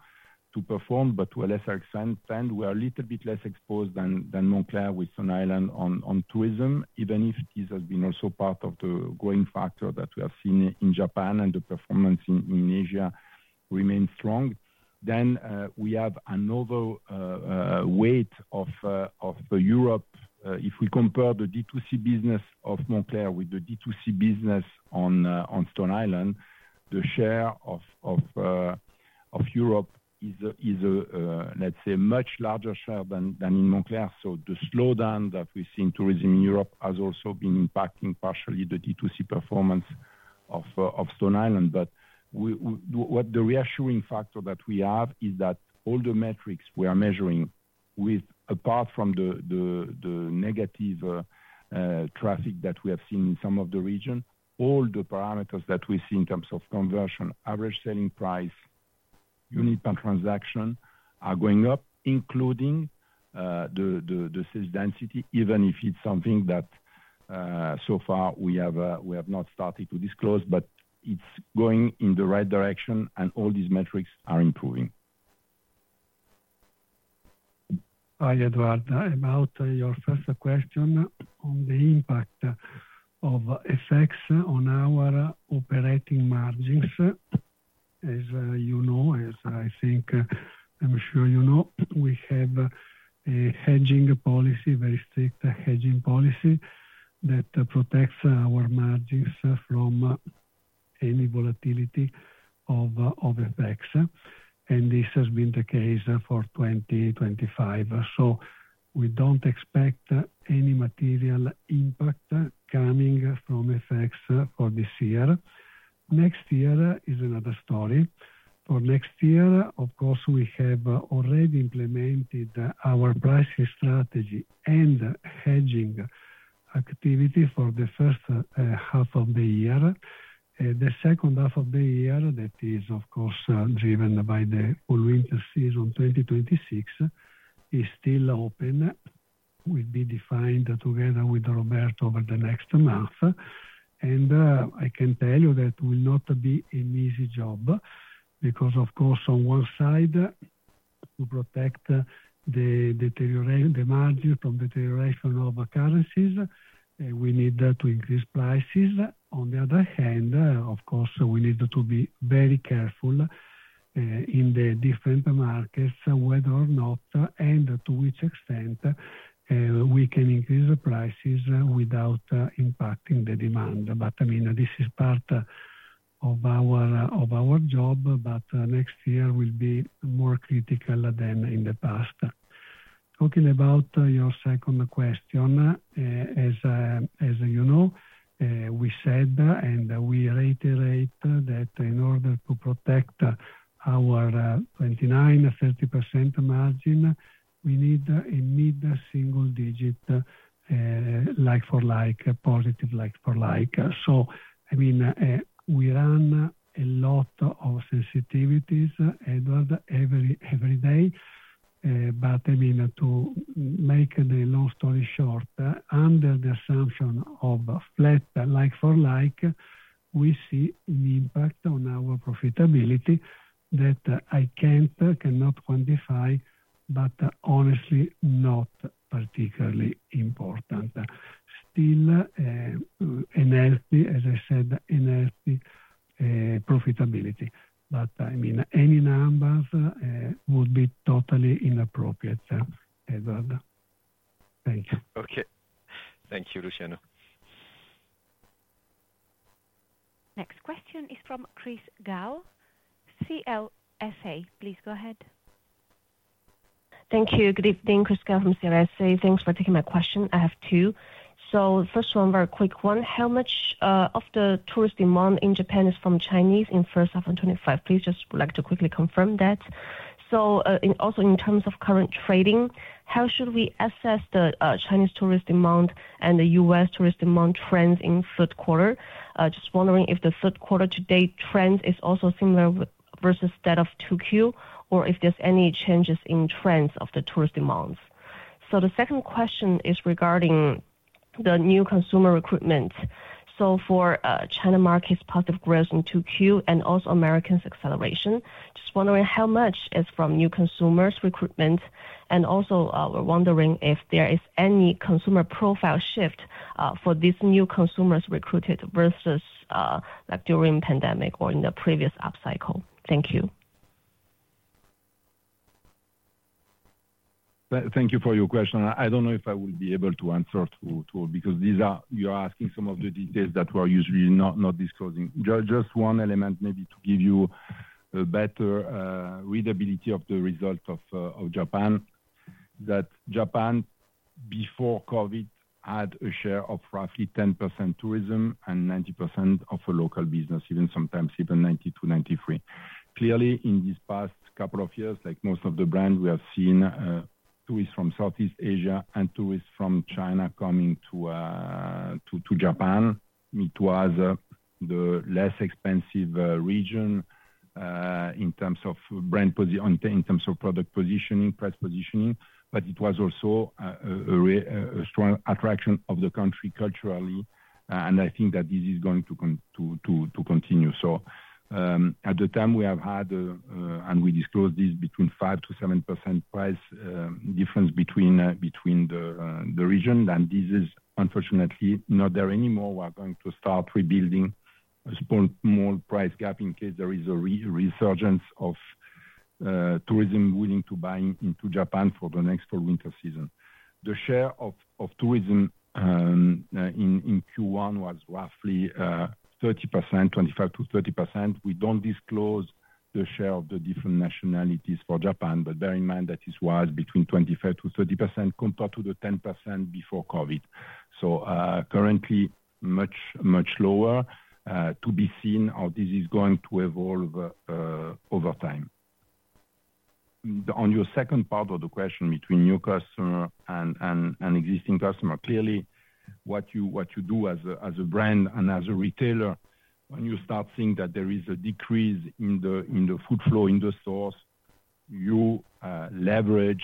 Speaker 4: to perform, but to a lesser extent. We are a little bit less exposed than Moncler with Stone Island on tourism, even if this has been also part of the growing factor that we have seen in Japan, and the performance in Asia remains strong. We have another weight of Europe. If we compare the D2C business of Moncler with the D2C business on Stone Island, the share of Europe is, let's say, a much larger share than in Moncler. The slowdown that we see in tourism in Europe has also been impacting partially the D2C performance of Stone Island. The reassuring factor that we have is that all the metrics we are measuring, apart from the negative traffic that we have seen in some of the region, all the parameters that we see in terms of conversion, average selling price, unit per transaction are going up, including the sales density, even if it's something that so far we have not started to disclose, but it's going in the right direction, and all these metrics are improving.
Speaker 5: Hi, Edouard. I'm on your first question on the impact of FX on our operating margins. As you know, as I think I'm sure you know, we have a hedging policy, very strict hedging policy that protects our margins from any volatility of FX. This has been the case for 2025. We don't expect any material impact coming from FX for this year. Next year is another story. For next year, of course, we have already implemented our pricing strategy and hedging activity for the first half of the year. The second half of the year, that is, of course, driven by the whole winter season 2026, is still open. Will be defined together with Roberto over the next month. I can tell you that will not be an easy job because, of course, on one side, to protect the margin from deterioration of currencies, we need to increase prices. On the other hand, of course, we need to be very careful in the different markets, whether or not, and to which extent, we can increase prices without impacting the demand. I mean, this is part of our job, but next year will be more critical than in the past. Talking about your second question. As you know, we said, and we reiterate that in order to protect our 29%-30% margin, we need a mid-single-digit like-for-like, positive like-for-like. I mean, we run a lot of sensitivities, Edouard, every day. I mean, to make the long story short, under the assumption of flat like-for-like, we see an impact on our profitability that I cannot quantify, but honestly, not particularly important. Still in healthy, as I said, in healthy profitability. I mean, any numbers would be totally inappropriate, Edouard. Thank you.
Speaker 14: Okay. Thank you, Luciano.
Speaker 1: Next question is from Chris Gao. CLSA, please go ahead.
Speaker 15: Thank you. Good evening, Chris Gao from CLSA. Thanks for taking my question. I have two. First one, very quick one. How much of the tourist demand in Japan is from Chinese in first half of 2025? Please just like to quickly confirm that. Also, in terms of current trading, how should we assess the Chinese tourist demand and the U.S. tourist demand trends in third quarter? Just wondering if the third quarter to date trend is also similar versus that of 2Q, or if there are any changes in trends of the tourist demands. The second question is regarding the new consumer recruitment. For China market's positive growth in 2Q and also Americas' acceleration, just wondering how much is from new consumers' recruitment, and also we're wondering if there is any consumer profile shift for these new consumers recruited versus during the pandemic or in the previous up cycle. Thank you.
Speaker 4: Thank you for your question. I don't know if I will be able to answer too because you are asking some of the details that we are usually not disclosing. Just one element maybe to give you a better readability of the result of Japan. That Japan, before COVID, had a share of roughly 10% tourism and 90% of local business, even sometimes even 90% to 93%. Clearly, in these past couple of years, like most of the brands, we have seen tourists from Southeast Asia and tourists from China coming to Japan. It was the less expensive region in terms of brand positioning, in terms of product positioning, price positioning, but it was also a strong attraction of the country culturally, and I think that this is going to continue. At the time, we have had, and we disclosed this, between 5%-7% price difference between the region, and this is unfortunately not there anymore. We are going to start rebuilding a small price gap in case there is a resurgence of tourism willing to buy into Japan for the next fall-winter season. The share of tourism in Q1 was roughly 30%, 25%-30%. We don't disclose the share of the different nationalities for Japan, but bear in mind that it was between 25%-30% compared to the 10% before COVID. Currently, much lower. To be seen how this is going to evolve over time. On your second part of the question, between new customer and existing customer, clearly, what you do as a brand and as a retailer, when you start seeing that there is a decrease in the footfall, in the source, you leverage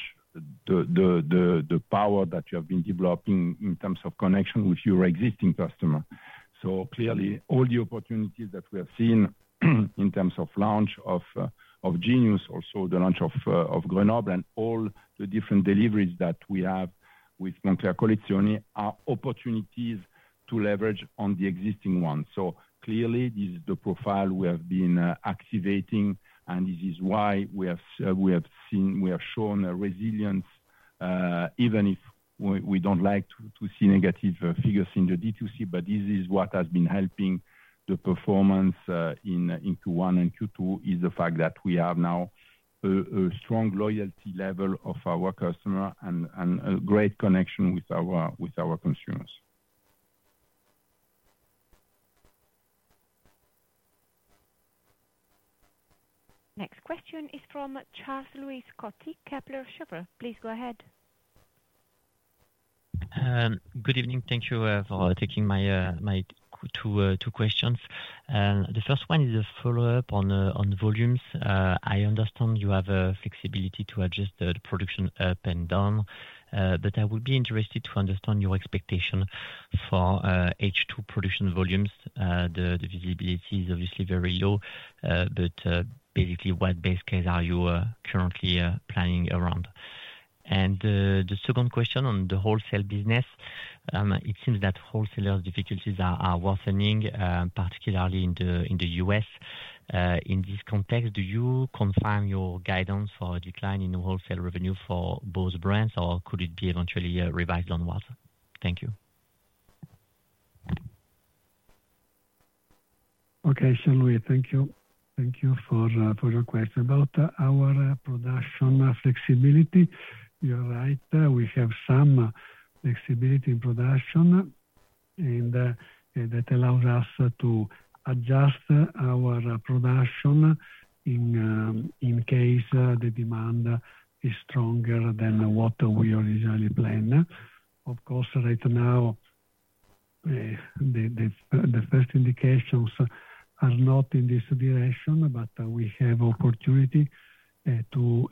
Speaker 4: the power that you have been developing in terms of connection with your existing customer. Clearly, all the opportunities that we have seen in terms of launch of Genius, also the launch of Grenoble, and all the different deliveries that we have with Moncler Collection are opportunities to leverage on the existing ones. Clearly, this is the profile we have been activating, and this is why we have shown a resilience. Even if we don't like to see negative figures in the D2C, but this is what has been helping the performance in Q1 and Q2, is the fact that we have now a strong loyalty level of our customer and a great connection with our consumers.
Speaker 1: Next question is from Charles-Louis Scotti, Kepler Cheuvreux. Please go ahead.
Speaker 16: Good evening. Thank you for taking my two questions. The first one is a follow-up on volumes. I understand you have flexibility to adjust the production up and down, but I would be interested to understand your expectation for H2 production volumes. The visibility is obviously very low, but basically, what base case are you currently planning around? The second question on the wholesale business. It seems that wholesalers' difficulties are worsening, particularly in the U.S. In this context, do you confirm your guidance for a decline in wholesale revenue for both brands, or could it be eventually revised onwards? Thank you.
Speaker 5: Okay, Charles, thank you. Thank you for your question about our production flexibility. You're right. We have some flexibility in production, and that allows us to adjust our production in case the demand is stronger than what we originally planned. Of course, right now the first indications are not in this direction, but we have opportunity to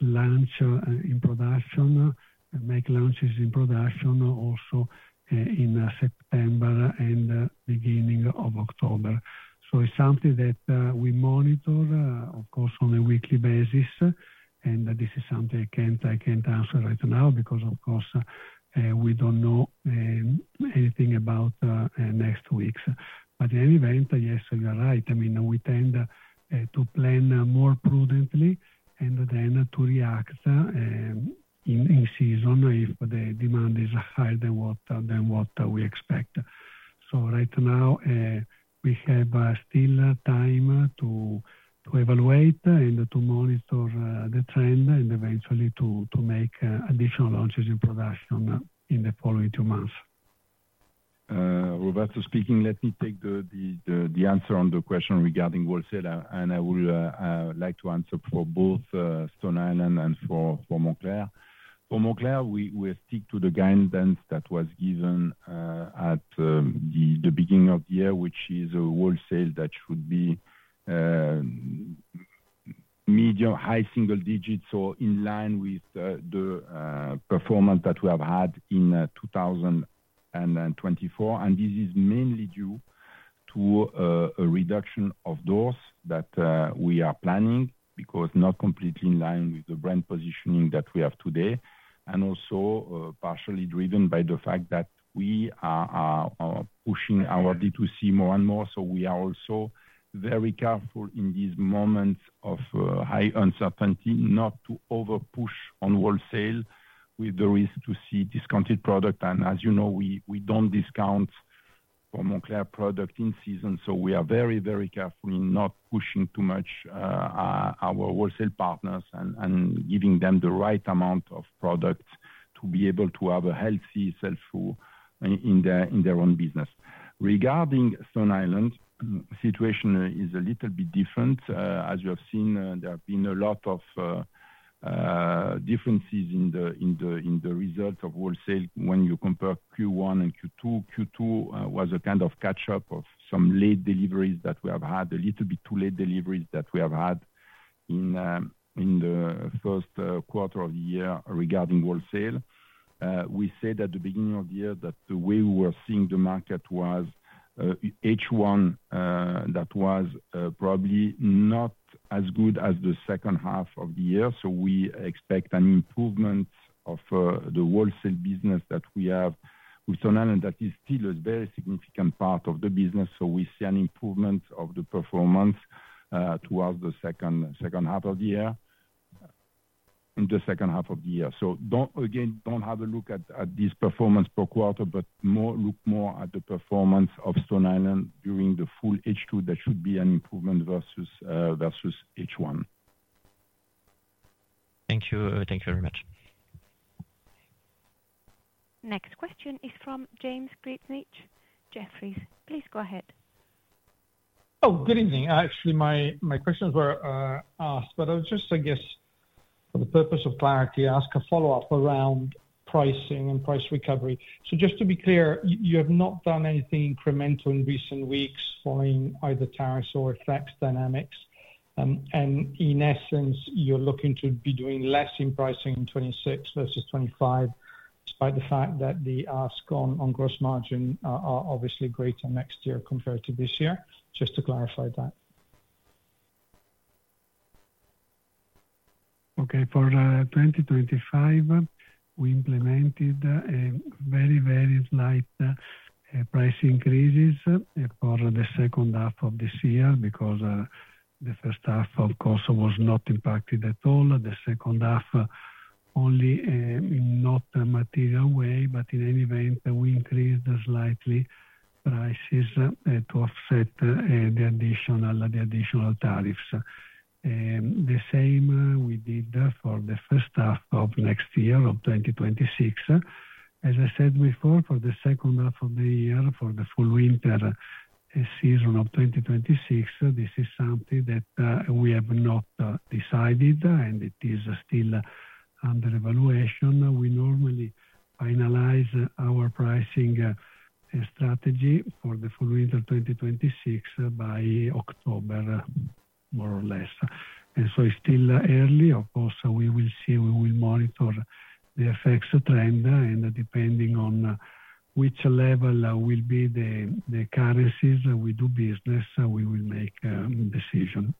Speaker 5: launch in production, make launches in production also in September and beginning of October. It is something that we monitor, of course, on a weekly basis, and this is something I can't answer right now because, of course, we don't know anything about next weeks. In any event, yes, you're right. I mean, we tend to plan more prudently and then to react in season if the demand is higher than what we expect. Right now, we have still time to evaluate and to monitor the trend and eventually to make additional launches in production in the following two months.
Speaker 4: Roberto speaking. Let me take the answer on the question regarding wholesale, and I would like to answer for both Stone Island and for Moncler. For Moncler, we stick to the guidance that was given at the beginning of the year, which is a wholesale that should be medium-high single digits, so in line with the performance that we have had in 2024. This is mainly due to a reduction of those that we are planning because not completely in line with the brand positioning that we have today, and also partially driven by the fact that we are pushing our D2C more and more. We are also very careful in these moments of high uncertainty not to overpush on wholesale with the risk to see discounted product. As you know, we do not discount Moncler product in season. We are very, very careful in not pushing too much our wholesale partners and giving them the right amount of product to be able to have a healthy sell-through in their own business. Regarding Stone Island, the situation is a little bit different. As you have seen, there have been a lot of differences in the result of wholesale when you compare Q1 and Q2. Q2 was a kind of catch-up of some late deliveries that we have had, a little bit too late deliveries that we have had in the first quarter of the year regarding wholesale. We said at the beginning of the year that the way we were seeing the market was H1 that was probably not as good as the second half of the year. We expect an improvement of the wholesale business that we have with Stone Island that is still a very significant part of the business. We see an improvement of the performance towards the second half of the year, in the second half of the year. Again, do not have a look at this performance per quarter, but look more at the performance of Stone Island during the full H2. That should be an improvement versus H1.
Speaker 16: Thank you. Thank you very much.
Speaker 1: Next question is from James Grzinic, Jefferies. Please go ahead.
Speaker 17: Oh, good evening. Actually, my questions were asked, but I was just, I guess, for the purpose of clarity, ask a follow-up around pricing and price recovery. Just to be clear, you have not done anything incremental in recent weeks following either tariffs or FX dynamics. In essence, you're looking to be doing less in pricing in 2026 versus 2025, despite the fact that the ask on gross margin are obviously greater next year compared to this year. Just to clarify that.
Speaker 5: Okay. For 2025. We implemented very, very slight price increases for the second half of this year because the first half, of course, was not impacted at all. The second half, only in not a material way, but in any event, we increased slightly prices to offset the additional tariffs. The same we did for the first half of next year, of 2026. As I said before, for the second half of the year, for the full winter season of 2026, this is something that we have not decided, and it is still under evaluation. We normally finalize our pricing strategy for the full winter 2026 by October, more or less. It's still early, of course, so we will see, we will monitor the FX trend, and depending on which level will be the currencies that we do business, we will make a decision.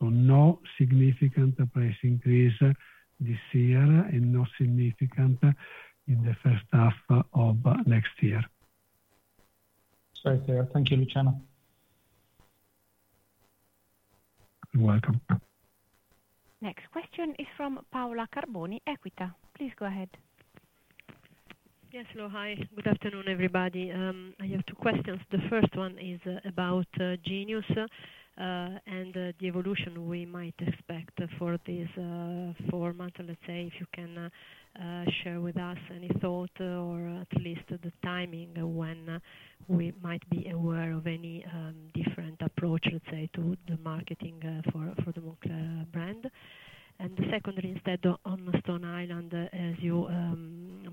Speaker 5: No significant price increase this year and no significant in the first half of next year.
Speaker 17: Sorry, Thierry. Thank you, Luciano.
Speaker 5: You're welcome.
Speaker 1: Next question is from Paola Carboni, EquitaEQUITA. Please go ahead.
Speaker 18: Yes, hello. Hi. Good afternoon, everybody. I have two questions. The first one is about Genius. And the evolution we might expect for this. Four months, let's say, if you can share with us any thought or at least the timing when we might be aware of any different approach, let's say, to the marketing for the Moncler brand. And the second, instead, on Stone Island, as you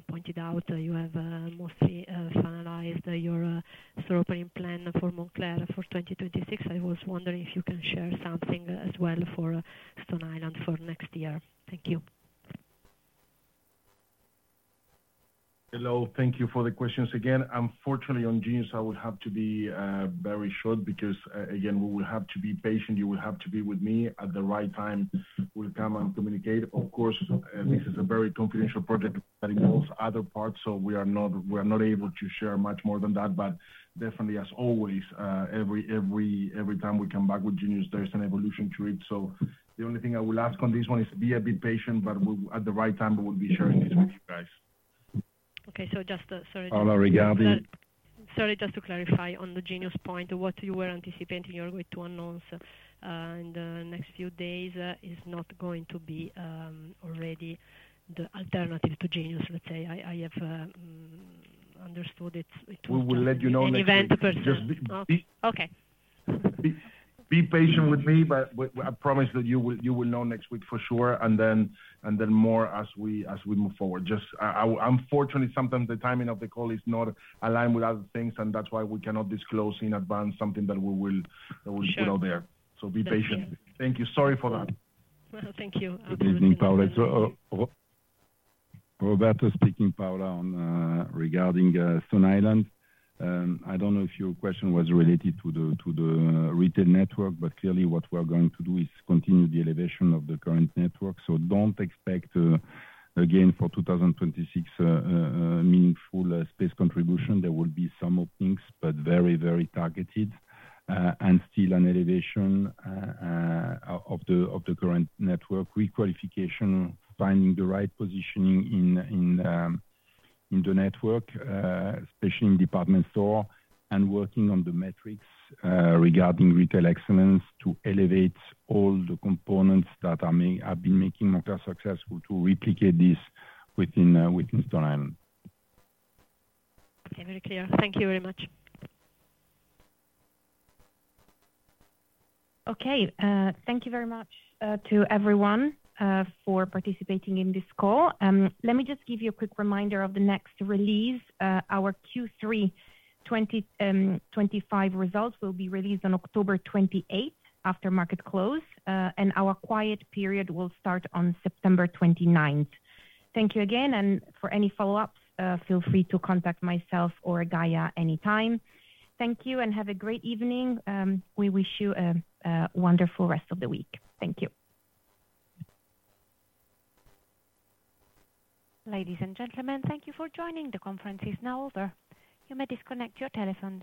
Speaker 18: pointed out, you have mostly finalized your store-opening plan for Moncler for 2026. I was wondering if you can share something as well for Stone Island for next year. Thank you.
Speaker 3: Hello. Thank you for the questions again. Unfortunately, on Genius, I would have to be very short because, again, we will have to be patient. You will have to be with me at the right time. We will come and communicate. Of course, this is a very confidential project that involves other parts, so we are not able to share much more than that, but definitely, as always, every time we come back with Genius, there is an evolution to it. The only thing I will ask on this one is be a bit patient, but at the right time, we will be sharing this with you guys.
Speaker 18: Okay. Just to sorry.
Speaker 3: Paola, regarding.
Speaker 18: Sorry, just to clarify on the Genius point, what you were anticipating you're going to announce in the next few days is not going to be already the alternative to Genius, let's say. I have understood it.
Speaker 3: We will let you know next week.
Speaker 18: In the event, per se. Okay.
Speaker 3: Be patient with me, but I promise that you will know next week for sure, and then more as we move forward. Just, unfortunately, sometimes the timing of the call is not aligned with other things, and that's why we cannot disclose in advance something that we will put out there. Be patient. Thank you. Sorry for that.
Speaker 18: Thank you.
Speaker 4: Good evening, Paola. Roberto speaking. Paola, regarding Stone Island, I don't know if your question was related to the retail network, but clearly, what we're going to do is continue the elevation of the current network. Don't expect, again, for 2026 meaningful space contribution. There will be some openings, but very, very targeted, and still an elevation of the current network, requalification, finding the right positioning in the network, especially in department store, and working on the metrics regarding retail excellence to elevate all the components that have been making Moncler successful to replicate this within Stone Island.
Speaker 18: Very clear. Thank you very much.
Speaker 2: Okay. Thank you very much to everyone for participating in this call. Let me just give you a quick reminder of the next release. Our Q3 2025 results will be released on October 28 after market close, and our quiet period will start on September 29. Thank you again, and for any follow-ups, feel free to contact myself or Gaia anytime. Thank you and have a great evening. We wish you a wonderful rest of the week. Thank you.
Speaker 1: Ladies and gentlemen, thank you for joining. The conference is now over. You may disconnect your telephones.